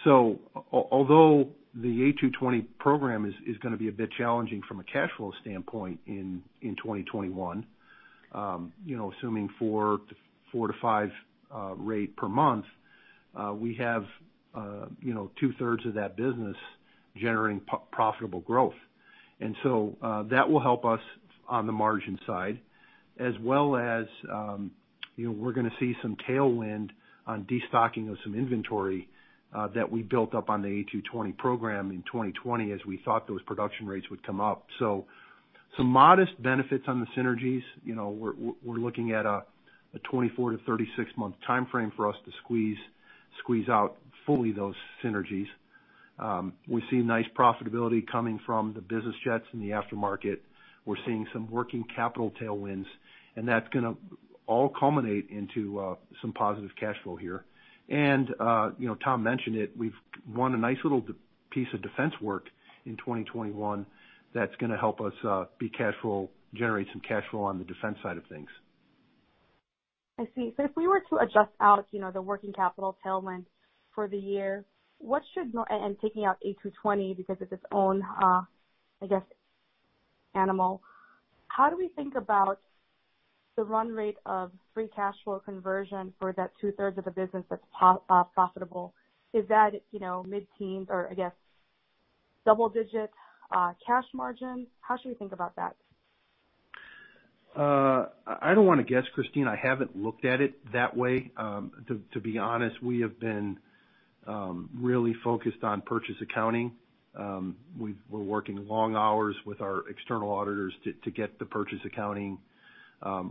So although the A220 program is gonna be a bit challenging from a cash flow standpoint in 2021, you know, assuming 4-5 rate per month, we have, you know, two-thirds of that business generating profitable growth. And so, that will help us on the margin side, as well as, you know, we're gonna see some tailwind on destocking of some inventory that we built up on the A220 program in 2020, as we thought those production rates would come up. So some modest benefits on the synergies. You know, we're looking at a 24-36-month timeframe for us to squeeze out fully those synergies. We see nice profitability coming from the business jets in the aftermarket. We're seeing some working capital tailwinds, and that's gonna all culminate into some positive cash flow here. And you know, Tom mentioned it, we've won a nice little piece of defense work in 2021 that's gonna help us be cash flow generate some cash flow on the defense side of things. I see. So if we were to adjust out, you know, the working capital tailwind for the year, what should, and taking out A220 because it's its own, I guess, animal, how do we think about the run rate of free cash flow conversion for that two-thirds of the business that's profitable? Is that, you know, mid-teens or, I guess, double digit cash margin? How should we think about that? I don't want to guess, Kristine. I haven't looked at it that way. To be honest, we have been really focused on purchase accounting. We're working long hours with our external auditors to get the purchase accounting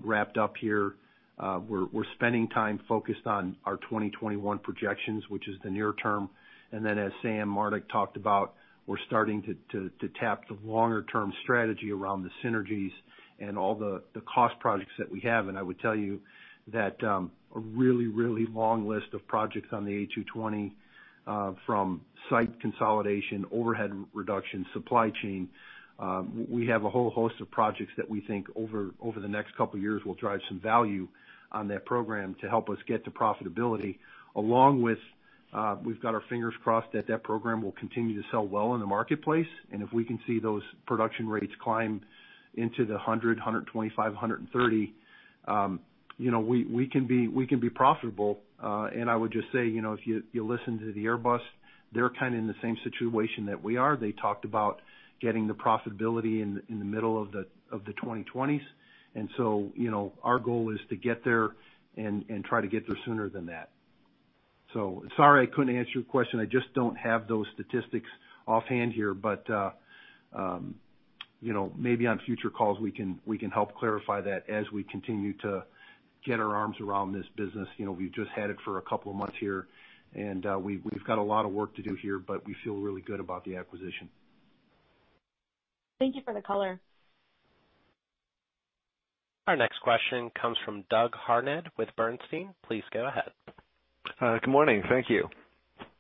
wrapped up here. We're spending time focused on our 2021 projections, which is the near term. Then, as Sam Marnick talked about, we're starting to tap the longer term strategy around the synergies and all the cost projects that we have. I would tell you that a really, really long list of projects on the A220 from site consolidation, overhead reduction, supply chain, we have a whole host of projects that we think over the next couple of years will drive some value on that program to help us get to profitability, along with we've got our fingers crossed that that program will continue to sell well in the marketplace. And if we can see those production rates climb into the 100, 125, 130, you know, we can be profitable. And I would just say, you know, if you listen to the Airbus, they're kind of in the same situation that we are. They talked about getting the profitability in the middle of the 2020s. So, you know, our goal is to get there and try to get there sooner than that. So sorry, I couldn't answer your question. I just don't have those statistics offhand here. But you know, maybe on future calls, we can help clarify that as we continue to get our arms around this business. You know, we've just had it for a couple of months here, and we've got a lot of work to do here, but we feel really good about the acquisition. Thank you for the color. Our next question comes from Douglas Harned with Bernstein. Please go ahead. Good morning. Thank you.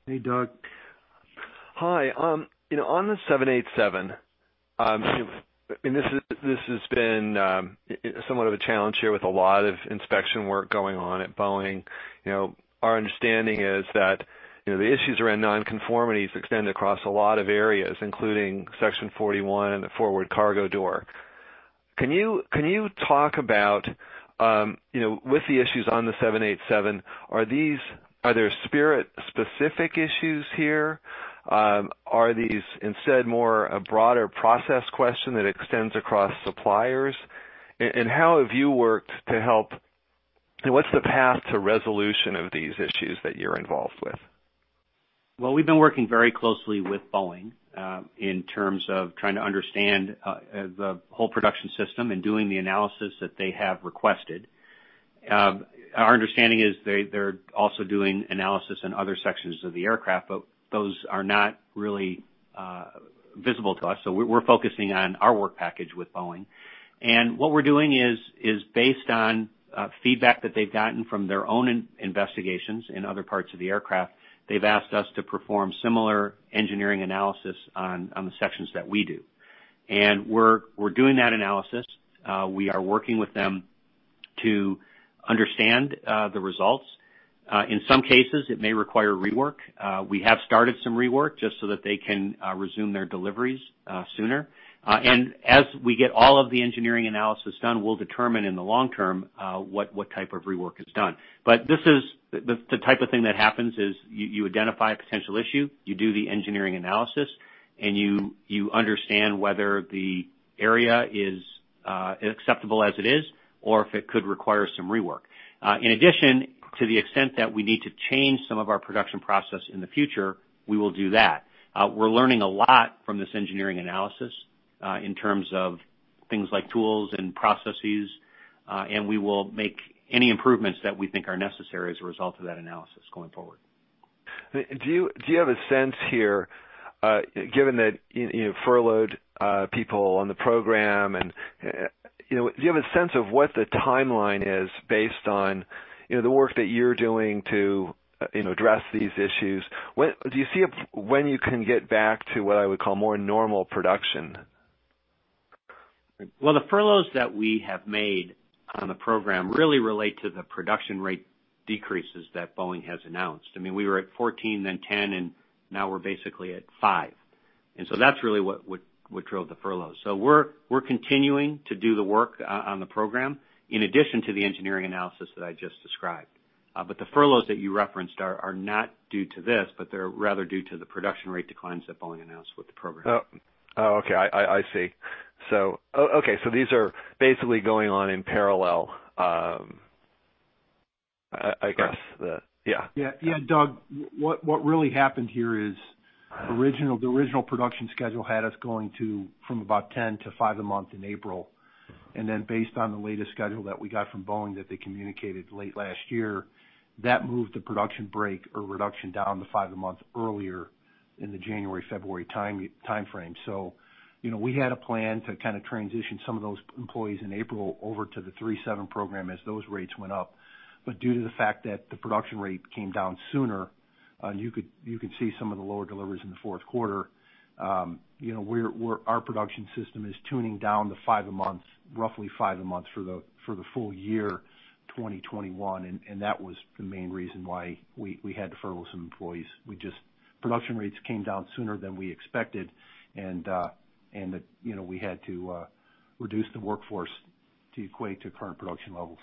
Hey, Doug. Hi. You know, on the 787, and this is, this has been, somewhat of a challenge here with a lot of inspection work going on at Boeing. You know, our understanding is that, you know, the issues around non-conformities extend across a lot of areas, including section 41 and the forward cargo door. Can you, can you talk about, you know, with the issues on the 787, are these, are there Spirit specific issues here? Are these instead more a broader process question that extends across suppliers? And, and how have you worked to help, and what's the path to resolution of these issues that you're involved with? Well, we've been working very closely with Boeing in terms of trying to understand the whole production system and doing the analysis that they have requested. Our understanding is they're also doing analysis in other sections of the aircraft, but those are not really visible to us, so we're focusing on our work package with Boeing. And what we're doing is based on feedback that they've gotten from their own investigations in other parts of the aircraft; they've asked us to perform similar engineering analysis on the sections that we do. And we're doing that analysis. We are working with them to understand the results. In some cases, it may require rework. We have started some rework just so that they can resume their deliveries sooner. As we get all of the engineering analysis done, we'll determine in the long term what type of rework is done. But this is the type of thing that happens: you identify a potential issue, you do the engineering analysis, and you understand whether the area is acceptable as it is, or if it could require some rework. In addition, to the extent that we need to change some of our production process in the future, we will do that. We're learning a lot from this engineering analysis in terms of things like tools and processes, and we will make any improvements that we think are necessary as a result of that analysis going forward. Do you, do you have a sense here, given that, you, you furloughed people on the program and, you know, do you have a sense of what the timeline is based on, you know, the work that you're doing to, you know, address these issues? When do you see when you can get back to what I would call more normal production?... Well, the furloughs that we have made on the program really relate to the production rate decreases that Boeing has announced. I mean, we were at 14, then 10, and now we're basically at 5, and so that's really what drove the furloughs. So we're continuing to do the work on the program in addition to the engineering analysis that I just described. But the furloughs that you referenced are not due to this, but they're rather due to the production rate declines that Boeing announced with the program. Oh. Oh, okay, I see. So, oh, okay, so these are basically going on in parallel, I guess yeah. Yeah. Yeah, Doug, what really happened here is the original production schedule had us going from about 10 to five a month in April, and then based on the latest schedule that we got from Boeing that they communicated late last year, that moved the production break or reduction down to five a month earlier in the January, February timeframe. So, you know, we had a plan to kind of transition some of those employees in April over to the 737 program as those rates went up. But due to the fact that the production rate came down sooner, you could see some of the lower deliveries in the fourth quarter. You know, we're, our production system is tuning down to 5 a month, roughly 5 a month for the full year, 2021, and that was the main reason why we had to furlough some employees. We just... Production rates came down sooner than we expected, and, you know, we had to reduce the workforce to equate to current production levels.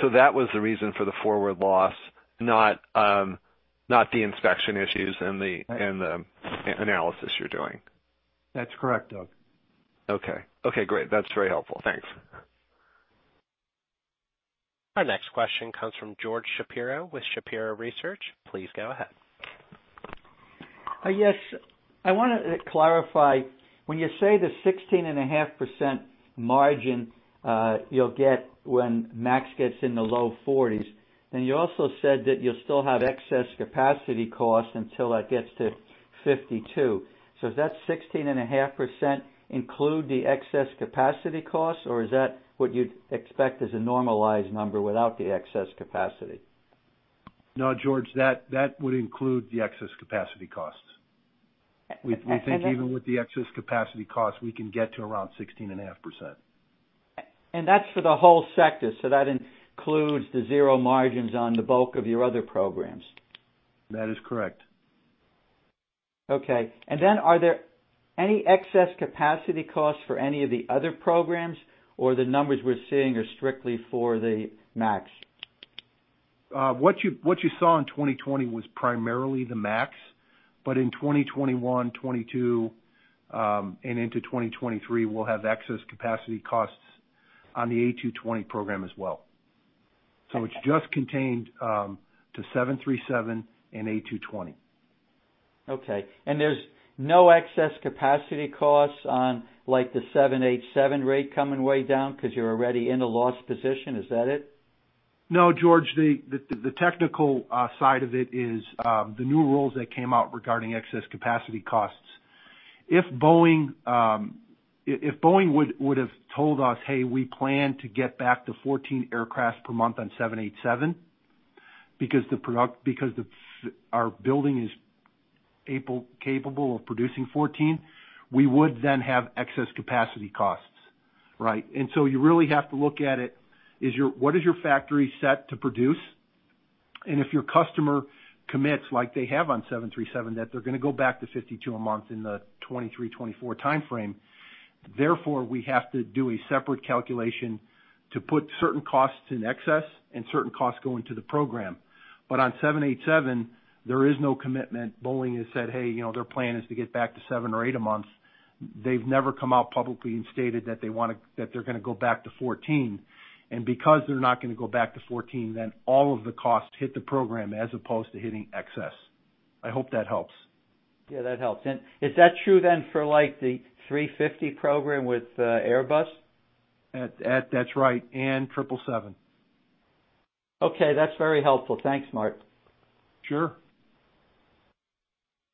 So that was the reason for the Forward Loss, not, not the inspection issues and the- Right and the analysis you're doing? That's correct, Doug. Okay. Okay, great. That's very helpful. Thanks. Our next question comes from George Shapiro with Shapiro Research. Please go ahead. Yes, I wanted to clarify, when you say the 16.5% margin you'll get when MAX gets in the low 40s, and you also said that you'll still have excess capacity costs until that gets to 52. So does that 16.5% include the excess capacity costs, or is that what you'd expect as a normalized number without the excess capacity? No, George, that, that would include the excess capacity costs. And, and, and- We think even with the Excess Capacity Costs, we can get to around 16.5%. That's for the whole sector, so that includes the zero margins on the bulk of your other programs? That is correct. Okay. And then are there any excess capacity costs for any of the other programs, or the numbers we're seeing are strictly for the MAX? What you saw in 2020 was primarily the MAX, but in 2021, 2022, and into 2023, we'll have excess capacity costs on the A220 program as well. Okay. It's just contained to 737 and A220. Okay, and there's no excess capacity costs on, like, the 787 rate coming way down because you're already in a loss position, is that it? No, George. The technical side of it is the new rules that came out regarding excess capacity costs. If Boeing would've told us, "Hey, we plan to get back to 14 aircraft per month on 787, because our building is able, capable of producing 14," we would then have excess capacity costs, right? And so you really have to look at it, is your -- what is your factory set to produce? And if your customer commits, like they have on 737, that they're gonna go back to 52 a month in the 2023, 2024 timeframe. Therefore, we have to do a separate calculation to put certain costs in excess and certain costs go into the program. But on 787, there is no commitment. Boeing has said, "Hey," you know, their plan is to get back to seven or eight a month. They've never come out publicly and stated that they wanna that they're gonna go back to 14, and because they're not gonna go back to 14, then all of the costs hit the program as opposed to hitting excess. I hope that helps. Yeah, that helps. Is that true then for, like, the 350 program with Airbus? That's right, and triple seven. Okay, that's very helpful. Thanks, Mark. Sure.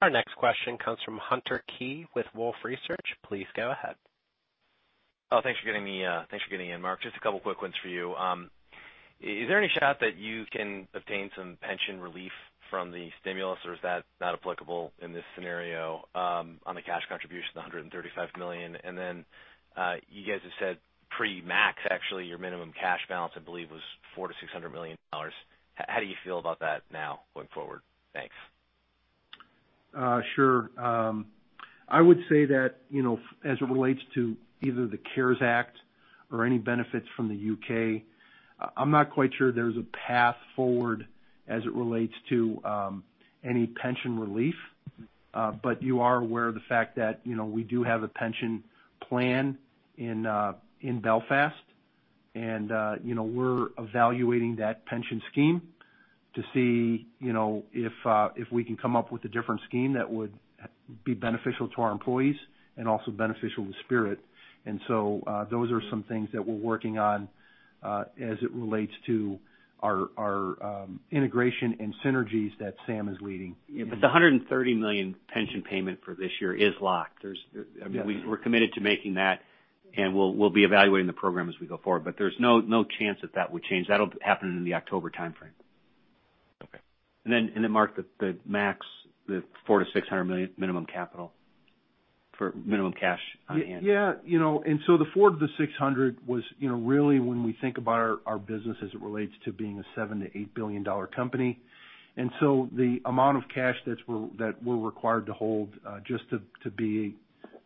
Our next question comes from Hunter Keay with Wolfe Research. Please go ahead. Oh, thanks for getting me in, Mark. Just a couple of quick ones for you. Is there any shot that you can obtain some pension relief from the stimulus, or is that not applicable in this scenario, on the cash contribution, the $135 million? And then, you guys have said pre-MAX, actually, your minimum cash balance, I believe, was $400 million-$600 million. How do you feel about that now going forward? Thanks. Sure. I would say that, you know, as it relates to either the CARES Act or any benefits from the U.K., I'm not quite sure there's a path forward as it relates to any pension relief. But you are aware of the fact that, you know, we do have a pension plan in Belfast, and, you know, we're evaluating that pension scheme to see, you know, if we can come up with a different scheme that would be beneficial to our employees and also beneficial to Spirit. And so, those are some things that we're working on as it relates to our integration and synergies that Sam is leading. Yeah, but the $130 million pension payment for this year is locked. Yeah. I mean, we're committed to making that, and we'll, we'll be evaluating the program as we go forward. But there's no, no chance that that would change. That'll happen in the October timeframe.... And then, and then Mark, the, the max, the $400 million-$600 million minimum capital for minimum cash on hand? Yeah, yeah. You know, the $400 million-$600 million was, you know, really when we think about our business as it relates to being a $7 billion-$8 billion company. The amount of cash that we're required to hold, you know, just to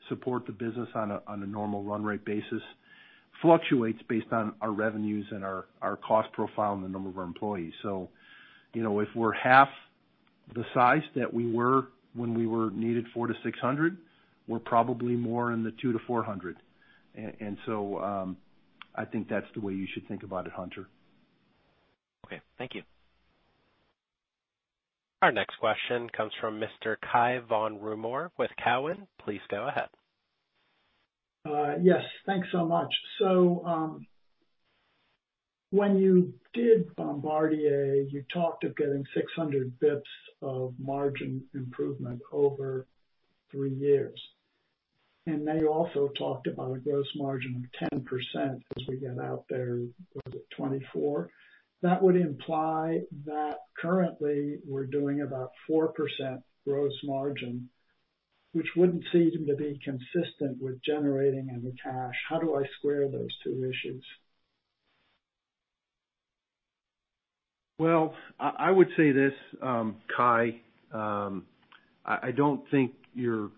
support the business on a normal run rate basis, fluctuates based on our revenues and our cost profile and the number of our employees. You know, if we're half the size that we were when we needed $400 million-$600 million, we're probably more in the $200 million-$400 million. I think that's the way you should think about it, Hunter. Okay, thank you. Our next question comes from Mr. Cai von Rumohr with Cowen. Please go ahead. Yes, thanks so much. So, when you did Bombardier, you talked of getting 600 bps of margin improvement over three years, and now you also talked about a gross margin of 10% as we get out there, was it 2024? That would imply that currently we're doing about 4% gross margin, which wouldn't seem to be consistent with generating any cash. How do I square those two issues? Well, I would say this, Kai, I don't think you're.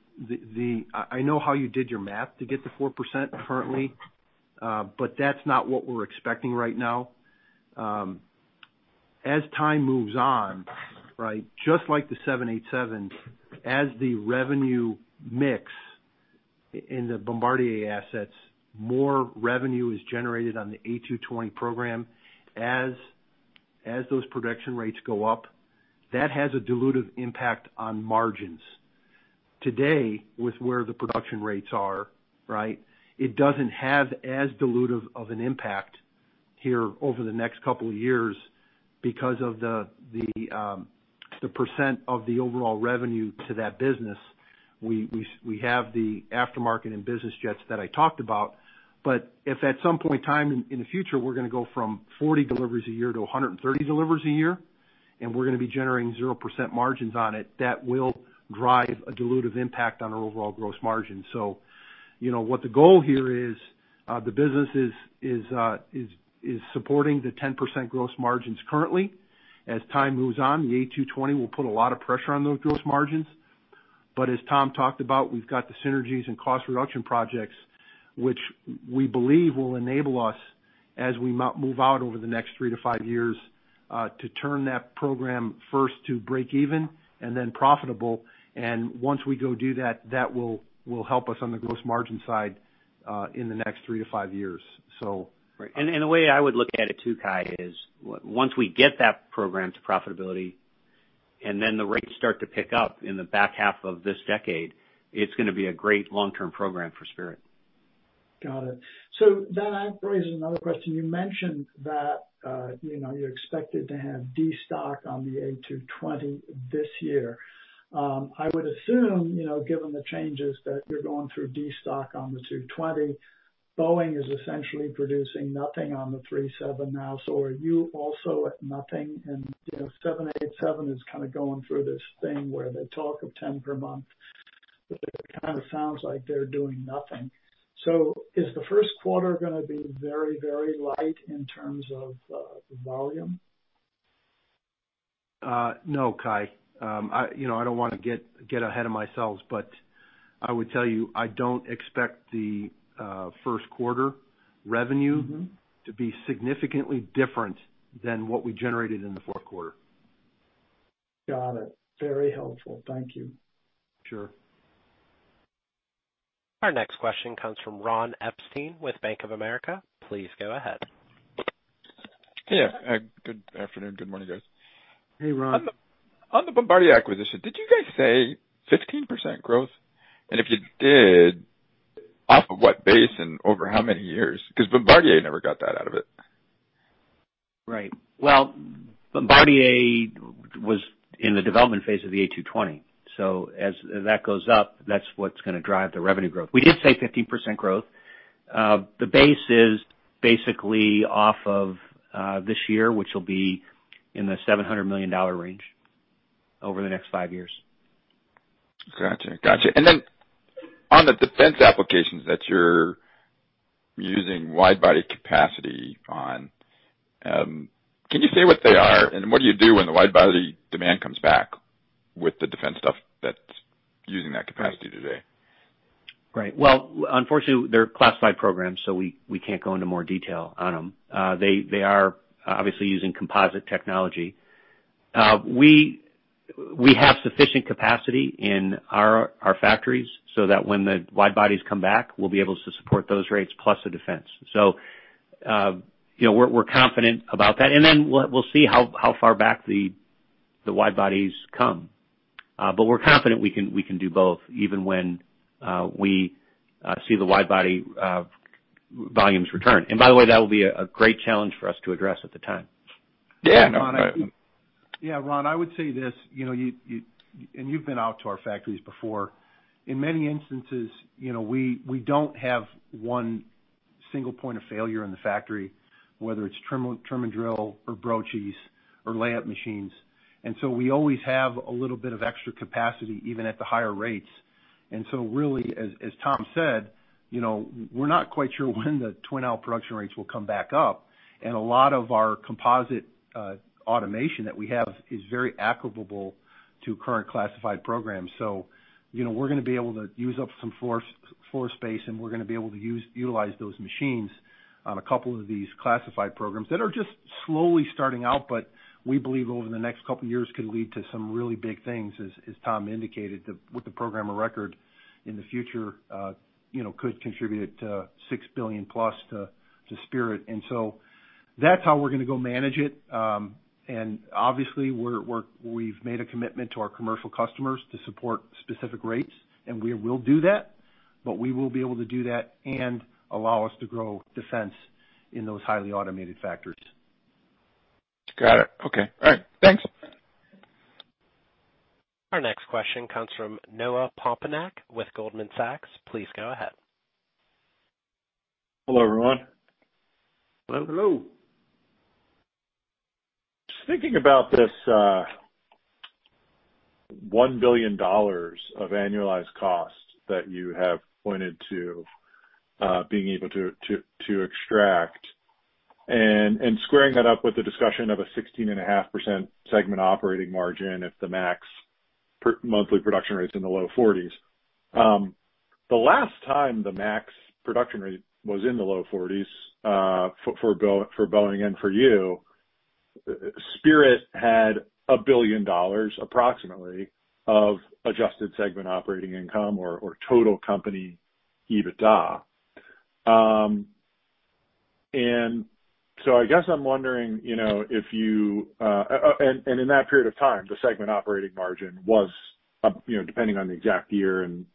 I know how you did your math to get to 4% currently, but that's not what we're expecting right now. As time moves on, right, just like the 787, as the revenue mix in the Bombardier assets, more revenue is generated on the A220 program. As those production rates go up, that has a dilutive impact on margins. Today, with where the production rates are, right, it doesn't have as dilutive of an impact here over the next couple of years because of the % of the overall revenue to that business. We have the aftermarket and business jets that I talked about. But if at some point in time in the future, we're going to go from 40 deliveries a year to 130 deliveries a year, and we're going to be generating 0% margins on it, that will drive a dilutive impact on our overall gross margin. So you know, what the goal here is, the business is supporting the 10% gross margins currently. As time moves on, the A220 will put a lot of pressure on those gross margins. But as Tom talked about, we've got the synergies and cost reduction projects, which we believe will enable us, as we move out over the next 3-5 years, to turn that program first to break even and then profitable. Once we go do that, that will help us on the gross margin side in the next 3-5 years, so. Right. And the way I would look at it too, Kai, is once we get that program to profitability, and then the rates start to pick up in the back half of this decade, it's going to be a great long-term program for Spirit. Got it. So then I have to raise another question. You mentioned that, you know, you're expected to have destock on the A220 this year. I would assume, you know, given the changes, that you're going through destock on the 220, Boeing is essentially producing nothing on the 737 now. So are you also at nothing? And, you know, 787 is kind of going through this thing where they talk of 10 per month, but it kind of sounds like they're doing nothing. So is the first quarter going to be very, very light in terms of volume? No, Kai. You know, I don't want to get ahead of myself, but I would tell you, I don't expect the first quarter revenue- Mm-hmm. - to be significantly different than what we generated in the fourth quarter. Got it. Very helpful. Thank you. Sure. Our next question comes from Ron Epstein with Bank of America. Please go ahead. Yeah, good afternoon. Good morning, guys. Hey, Ron. On the Bombardier acquisition, did you guys say 15% growth? And if you did, off of what base and over how many years? Because Bombardier never got that out of it. Right. Well, Bombardier was in the development phase of the A220, so as that goes up, that's what's going to drive the revenue growth. We did say 15% growth. The base is basically off of this year, which will be in the $700 million range over the next five years. Gotcha. Gotcha. On the defense applications that you're using wide body capacity on, can you say what they are? And what do you do when the wide body demand comes back with the defense stuff that's using that capacity today? Right. Well, unfortunately, they're classified programs, so we can't go into more detail on them. They are obviously using composite technology. We have sufficient capacity in our factories, so that when the wide bodies come back, we'll be able to support those rates plus the defense. So, you know, we're confident about that, and then we'll see how far back the wide bodies come. But we're confident we can do both, even when we see the wide body volumes return. And by the way, that will be a great challenge for us to address at the time. Yeah, no, go ahead. Yeah, Ron, I would say this, you know, you -- and you've been out to our factories before. In many instances, you know, we don't have one-... single point of failure in the factory, whether it's trim, trim and drill or broaches or layup machines. And so we always have a little bit of extra capacity, even at the higher rates. And so really, as Tom said, you know, we're not quite sure when the twin aisle production rates will come back up, and a lot of our composite automation that we have is very applicable to current classified programs. So, you know, we're gonna be able to use up some floor space, and we're gonna be able to utilize those machines on a couple of these classified programs that are just slowly starting out, but we believe over the next couple of years, could lead to some really big things, as Tom indicated, with the program of record in the future, you know, could contribute to $6 billion plus to Spirit. And so that's how we're gonna go manage it. And obviously, we've made a commitment to our commercial customers to support specific rates, and we will do that, but we will be able to do that and allow us to grow defense in those highly automated factories. Got it. Okay. All right, thanks! Our next question comes from Noah Poponak with Goldman Sachs. Please go ahead. Hello, everyone. Hello. Hello. Just thinking about this, $1 billion of annualized cost that you have pointed to, being able to extract, and squaring that up with the discussion of a 16.5% segment operating margin if the MAX monthly production rate is in the low 40s. The last time the MAX production rate was in the low 40s, for Boeing and for you, Spirit had approximately $1 billion of adjusted segment operating income or total company EBITDA. And so I guess I'm wondering, you know, if you... And in that period of time, the segment operating margin was up, you know, depending on the exact year and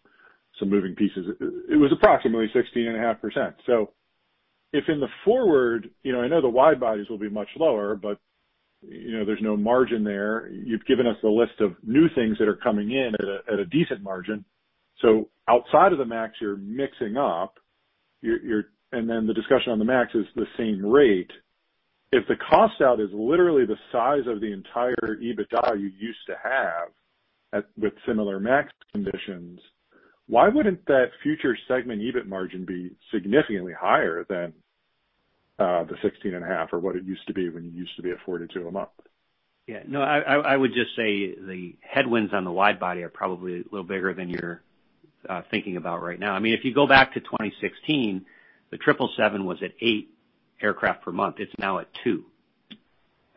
some moving pieces, it was approximately 16.5%. So if in the forward, you know, I know the wide bodies will be much lower, but, you know, there's no margin there. You've given us a list of new things that are coming in at a decent margin. So outside of the MAX, you're mixing up. And then the discussion on the MAX is the same rate. If the cost out is literally the size of the entire EBITDA you used to have at—with similar MAX conditions, why wouldn't that future segment EBIT margin be significantly higher than the 16.5, or what it used to be when you used to be at 42 a month? Yeah. No, I would just say the headwinds on the wide body are probably a little bigger than you're thinking about right now. I mean, if you go back to 2016, the triple seven was at eight aircraft per month. It's now at two.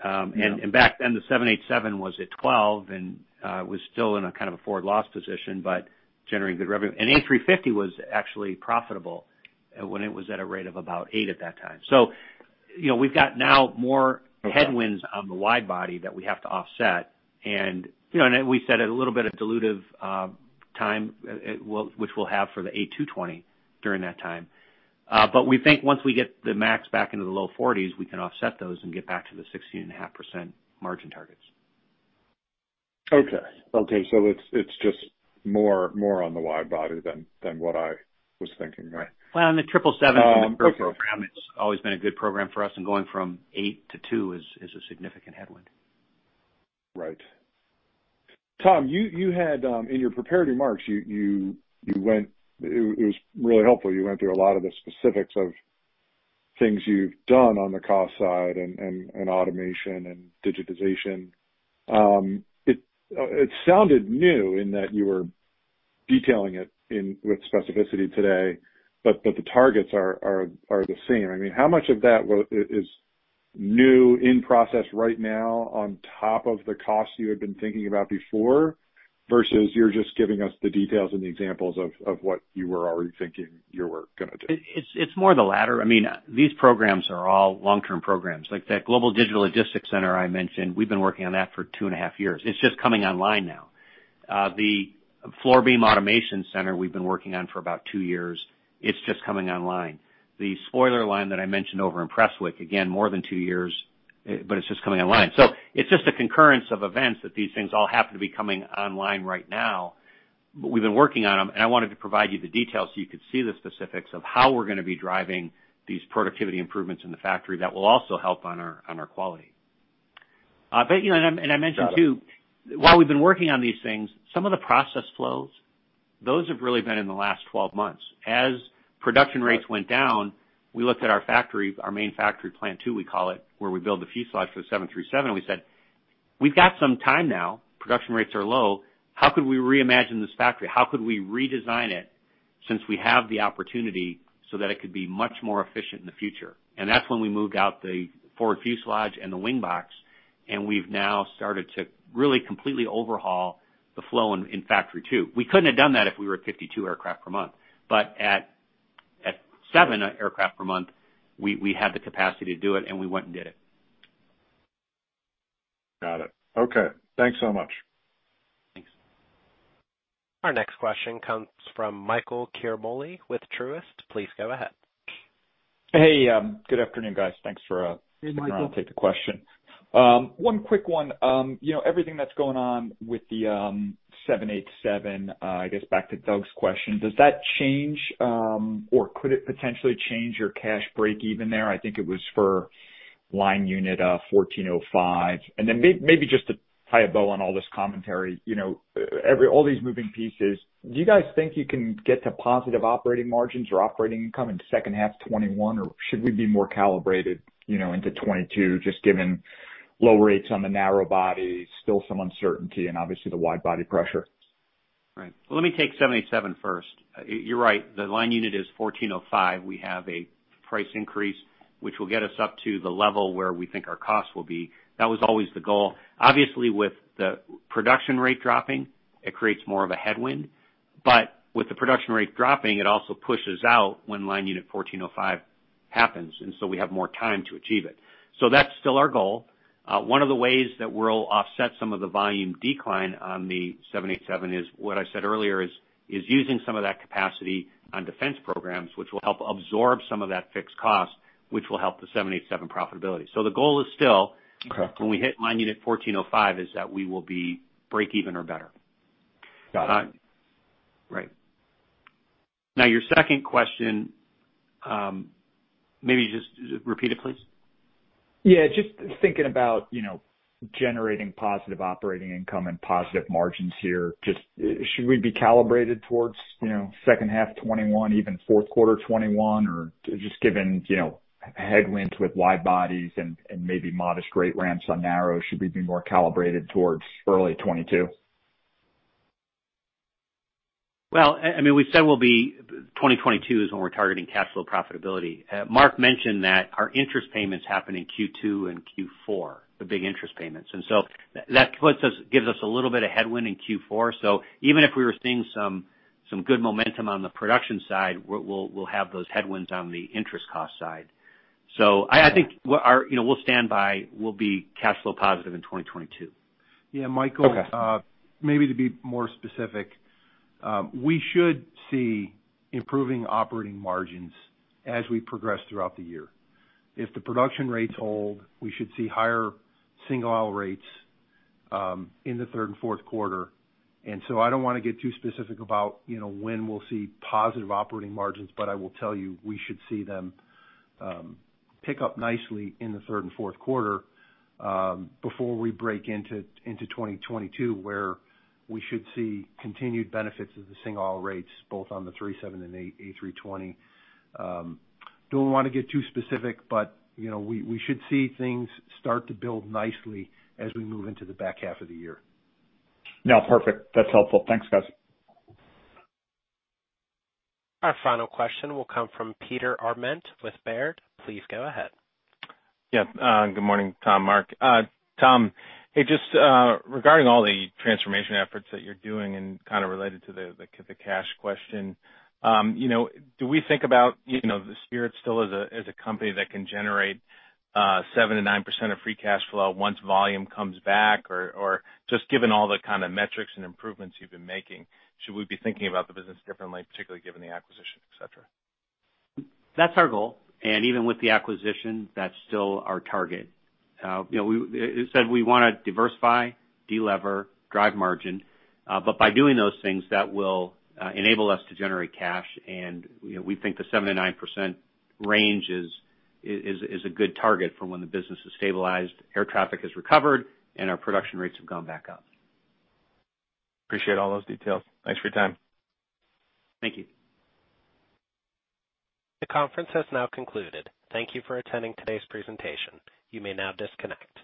And- Yeah. and back then, the 787 was at 12 and was still in a kind of a forward loss position, but generating good revenue. And A350 was actually profitable when it was at a rate of about eight at that time. So, you know, we've got now more headwinds on the wide body that we have to offset. And, you know, and we said a little bit of dilutive time which we'll have for the A220 during that time. But we think once we get the MAX back into the low 40s, we can offset those and get back to the 16.5% margin targets. Okay, so it's just more on the wide body than what I was thinking, right? Well, on the triple seven- Um, okay. program, it's always been a good program for us, and going from 8 to 2 is a significant headwind. Right. Tom, you had in your prepared remarks, you went. It was really helpful. You went through a lot of the specifics of things you've done on the cost side and automation and digitization. It sounded new in that you were detailing it with specificity today, but the targets are the same. I mean, how much of that is new in process right now on top of the costs you had been thinking about before, versus you're just giving us the details and the examples of what you were already thinking you were gonna do? It's more the latter. I mean, these programs are all long-term programs. Like that global digital logistics center I mentioned, we've been working on that for 2.5 years. It's just coming online now. The floor beam automation center we've been working on for about 2 years, it's just coming online. The spoiler line that I mentioned over in Prestwick, again, more than 2 years, but it's just coming online. So it's just a concurrence of events that these things all happen to be coming online right now, but we've been working on them, and I wanted to provide you the details so you could see the specifics of how we're gonna be driving these productivity improvements in the factory that will also help on our quality. But, you know, and I mentioned, too. Got it... while we've been working on these things, some of the process flows, those have really been in the last 12 months. As production rates went down, we looked at our factory, our main factory, Plant Two, we call it, where we build the fuselage for the 737, and we said, "We've got some time now. Production rates are low. How could we reimagine this factory? How could we redesign it, since we have the opportunity, so that it could be much more efficient in the future?" And that's when we moved out the forward fuselage and the wing box, and we've now started to really completely overhaul the flow in Factory Two. We couldn't have done that if we were at 52 aircraft per month, but at seven aircraft per month, we had the capacity to do it, and we went and did it. Got it. Okay, thanks so much. Thanks. Our next question comes from Michael Ciarmoli with Truist. Please go ahead. Hey, good afternoon, guys. Thanks for- Hey, Michael taking the question. ... One quick one. You know, everything that's going on with the 787, I guess back to Doug's question, does that change or could it potentially change your cash breakeven there? I think it was for line unit 1,405. And then maybe just to tie a bow on all this commentary, you know, all these moving pieces, do you guys think you can get to positive operating margins or operating income in the second half 2021, or should we be more calibrated, you know, into 2022, just given low rates on the narrow body, still some uncertainty, and obviously the wide body pressure? Right. Let me take 77 first. You're right, the line unit is 1,405. We have a price increase, which will get us up to the level where we think our costs will be. That was always the goal. Obviously, with the production rate dropping, it creates more of a headwind, but with the production rate dropping, it also pushes out when line unit 1,405 happens, and so we have more time to achieve it. So that's still our goal. One of the ways that we'll offset some of the volume decline on the 787 is, what I said earlier, is, is using some of that capacity on defense programs, which will help absorb some of that fixed cost, which will help the 787 profitability. So the goal is still- Okay. when we hit line unit 1405, is that we will be breakeven or better. Got it. Right. Now, your second question, maybe just repeat it, please. Yeah, just thinking about, you know, generating positive operating income and positive margins here. Just, should we be calibrated towards, you know, second half 2021, even fourth quarter 2021? Or just given, you know, headwinds with wide bodies and maybe modest rate ramps on narrow, should we be more calibrated towards early 2022? Well, I mean, we said we'll be... 2022 is when we're targeting cash flow profitability. Mark mentioned that our interest payments happen in Q2 and Q4, the big interest payments. And so that puts us, gives us a little bit of headwind in Q4. So even if we were seeing some good momentum on the production side, we'll have those headwinds on the interest cost side. So I think what our. You know, we'll stand by, we'll be cash flow positive in 2022. Yeah, Michael- Okay. Maybe to be more specific, we should see improving operating margins as we progress throughout the year. If the production rates hold, we should see higher single aisle rates in the third and fourth quarter. And so I don't want to get too specific about, you know, when we'll see positive operating margins, but I will tell you, we should see them pick up nicely in the third and fourth quarter, before we break into, into 2022, where we should see continued benefits of the single aisle rates, both on the 737 and A320. Don't want to get too specific, but, you know, we, we should see things start to build nicely as we move into the back half of the year. No, perfect. That's helpful. Thanks, guys. Our final question will come from Peter Arment with Baird. Please go ahead. Yeah, good morning, Tom, Mark. Tom, hey, just regarding all the transformation efforts that you're doing and kind of related to the cash question, you know, do we think about, you know, Spirit still as a company that can generate 7%-9% of free cash flow once volume comes back? Or just given all the kind of metrics and improvements you've been making, should we be thinking about the business differently, particularly given the acquisition, et cetera? That's our goal, and even with the acquisition, that's still our target. You know, we said we wanna diversify, delever, drive margin, but by doing those things, that will enable us to generate cash. And, you know, we think the 7%-9% range is a good target for when the business is stabilized, air traffic has recovered, and our production rates have gone back up. Appreciate all those details. Thanks for your time. Thank you. The conference has now concluded. Thank you for attending today's presentation. You may now disconnect.